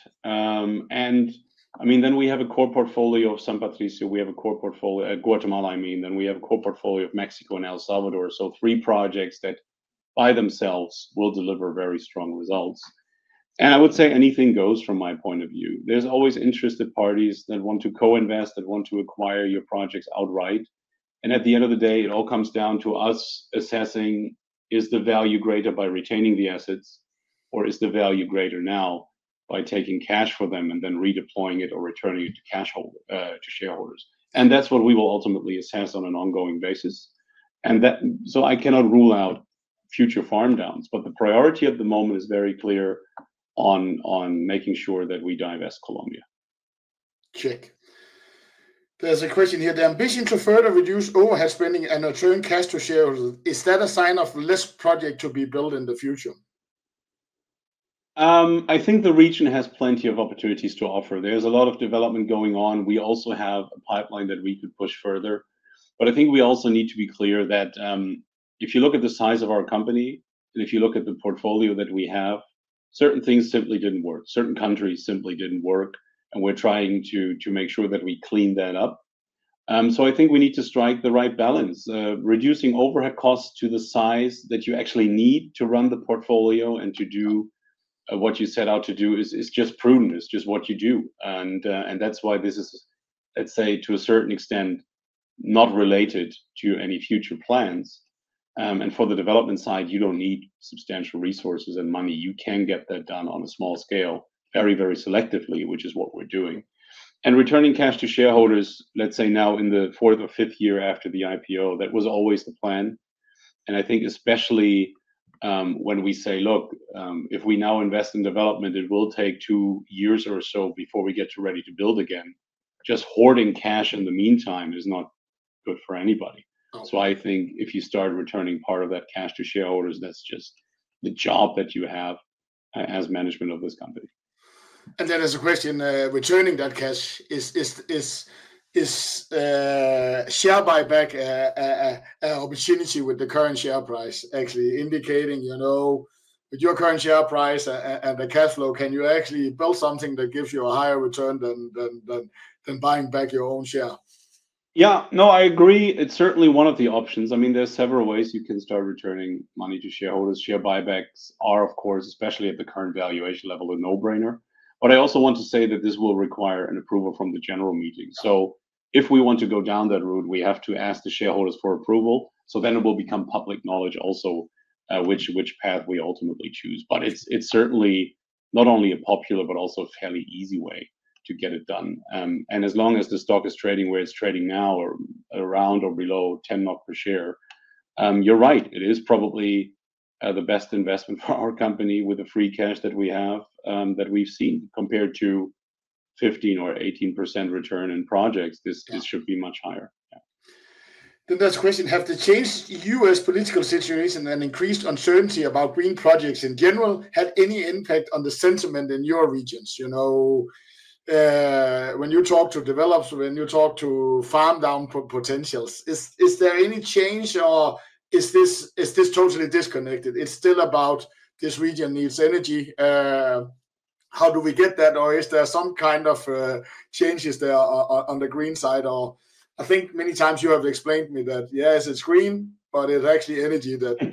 I mean, then we have a core portfolio of San Patricio. We have a core portfolio at Guatemala, I mean. Then we have a core portfolio of Mexico and El Salvador. Three projects that by themselves will deliver very strong results. I would say anything goes from my point of view. There are always interested parties that want to co-invest, that want to acquire your projects outright. At the end of the day, it all comes down to us assessing, is the value greater by retaining the assets, or is the value greater now by taking cash for them and then redeploying it or returning it to shareholders? That is what we will ultimately assess on an ongoing basis. I cannot rule out future farm downs, but the priority at the moment is very clear on making sure that we divest Colombia. Check. There is a question here. The ambition to further reduce overhead spending and return cash to shareholders, is that a sign of less projects to be built in the future? I think the region has plenty of opportunities to offer. There's a lot of development going on. We also have a pipeline that we could push further. I think we also need to be clear that if you look at the size of our company and if you look at the portfolio that we have, certain things simply didn't work. Certain countries simply didn't work. We're trying to make sure that we clean that up. I think we need to strike the right balance. Reducing overhead costs to the size that you actually need to run the portfolio and to do what you set out to do is just prudent. It's just what you do. That's why this is, let's say, to a certain extent, not related to any future plans. For the development side, you don't need substantial resources and money. You can get that done on a small scale, very, very selectively, which is what we're doing. Returning cash to shareholders, let's say now in the fourth or fifth year after the IPO, that was always the plan. I think especially when we say, "Look, if we now invest in development, it will take two years or so before we get ready to build again." Just hoarding cash in the meantime is not good for anybody. I think if you start returning part of that cash to shareholders, that's just the job that you have as management of this company. There's a question. Returning that cash, is share buyback an opportunity with the current share price actually indicating with your current share price and the cash flow, can you actually build something that gives you a higher return than buying back your own share? Yeah. No, I agree. It's certainly one of the options. I mean, there's several ways you can start returning money to shareholders. Share buybacks are, of course, especially at the current valuation level, a no-brainer. I also want to say that this will require an approval from the general meeting. If we want to go down that road, we have to ask the shareholders for approval. It will become public knowledge also which path we ultimately choose. It's certainly not only a popular, but also a fairly easy way to get it done. As long as the stock is trading where it's trading now, around or below 10 per share, you're right. It is probably the best investment for our company with the free cash that we have that we've seen compared to 15% or 18% return in projects. This should be much higher. There is a question. Have the changed U.S. political situation and increased uncertainty about green projects in general had any impact on the sentiment in your regions? When you talk to developers, when you talk to farm down potentials, is there any change or is this totally disconnected? It is still about this region needs energy. How do we get that? Is there some kind of changes there on the green side? I think many times you have explained to me that, yes, it is green, but it is actually energy that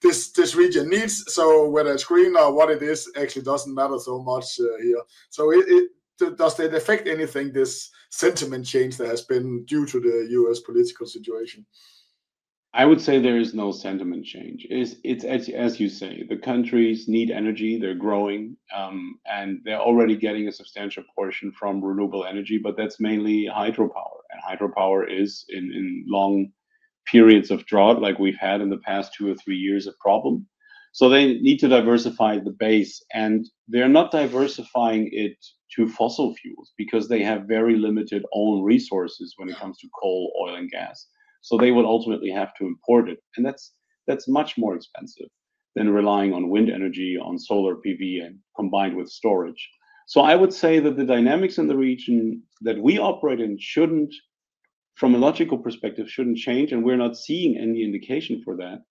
this region needs. Whether it is green or what it is, actually does not matter so much here. Does it affect anything, this sentiment change that has been due to the U.S. political situation? I would say there is no sentiment change. As you say, the countries need energy. They're growing, and they're already getting a substantial portion from renewable energy, but that's mainly hydropower. Hydropower is, in long periods of drought, like we've had in the past two or three years, a problem. They need to diversify the base. They're not diversifying it to fossil fuels because they have very limited own resources when it comes to coal, oil, and gas. They would ultimately have to import it. That's much more expensive than relying on wind energy, on solar PV, and combined with storage. I would say that the dynamics in the region that we operate in, from a logical perspective, shouldn't change. We're not seeing any indication for that.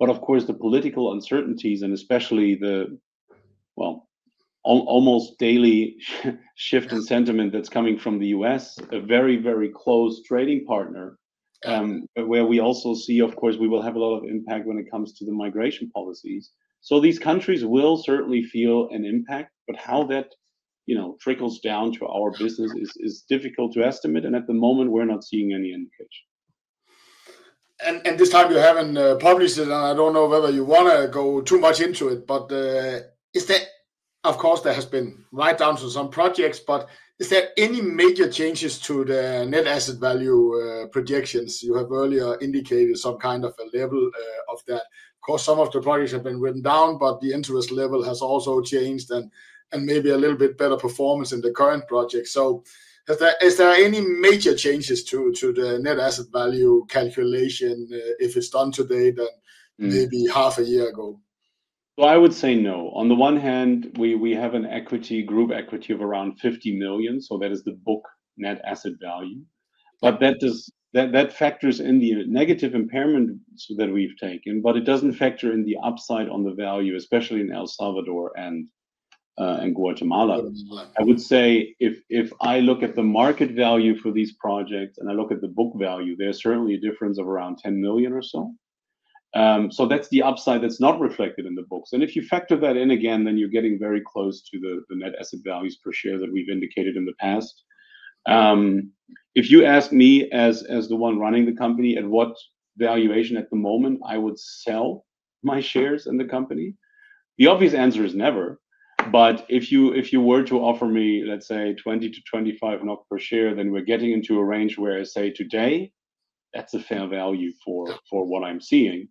Of course, the political uncertainties, and especially the, well, almost daily shift in sentiment that's coming from the U.S., a very, very close trading partner, where we also see, of course, we will have a lot of impact when it comes to the migration policies. These countries will certainly feel an impact. How that trickles down to our business is difficult to estimate. At the moment, we're not seeing any indication. This time you haven't published it, and I don't know whether you want to go too much into it, but of course, there has been write-downs on some projects. Is there any major changes to the net asset value projections? You have earlier indicated some kind of a level of that. Of course, some of the projects have been written down, but the interest level has also changed and maybe a little bit better performance in the current projects. Is there any major changes to the net asset value calculation if it's done today than maybe half a year ago? I would say no. On the one hand, we have a group equity of around $50 million. That is the book net asset value. That factors in the negative impairment that we've taken, but it doesn't factor in the upside on the value, especially in El Salvador and Guatemala. I would say if I look at the market value for these projects and I look at the book value, there's certainly a difference of around $10 million or so. That's the upside that's not reflected in the books. If you factor that in again, then you're getting very close to the net asset values per share that we've indicated in the past. If you ask me as the one running the company at what valuation at the moment, I would sell my shares in the company. The obvious answer is never. If you were to offer me, let's say, 20-25 NOK per share, then we're getting into a range where, say, today, that's a fair value for what I'm seeing.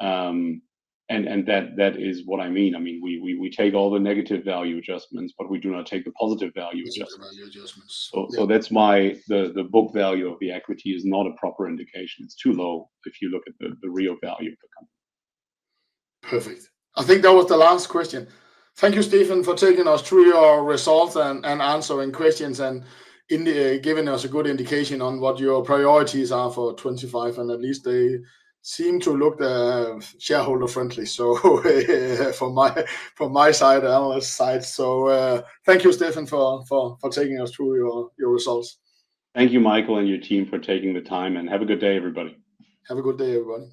That is what I mean. I mean, we take all the negative value adjustments, but we do not take the positive value adjustments. Positive value adjustments. That's why the book value of the equity is not a proper indication. It's too low if you look at the real value of the company. Perfect. I think that was the last question. Thank you, Stefan, for taking us through your results and answering questions and giving us a good indication on what your priorities are for 2025. At least they seem to look shareholder-friendly from my side, analyst side. Thank you, Stefan, for taking us through your results. Thank you, Michael and your team, for taking the time. Have a good day, everybody. Have a good day, everybody.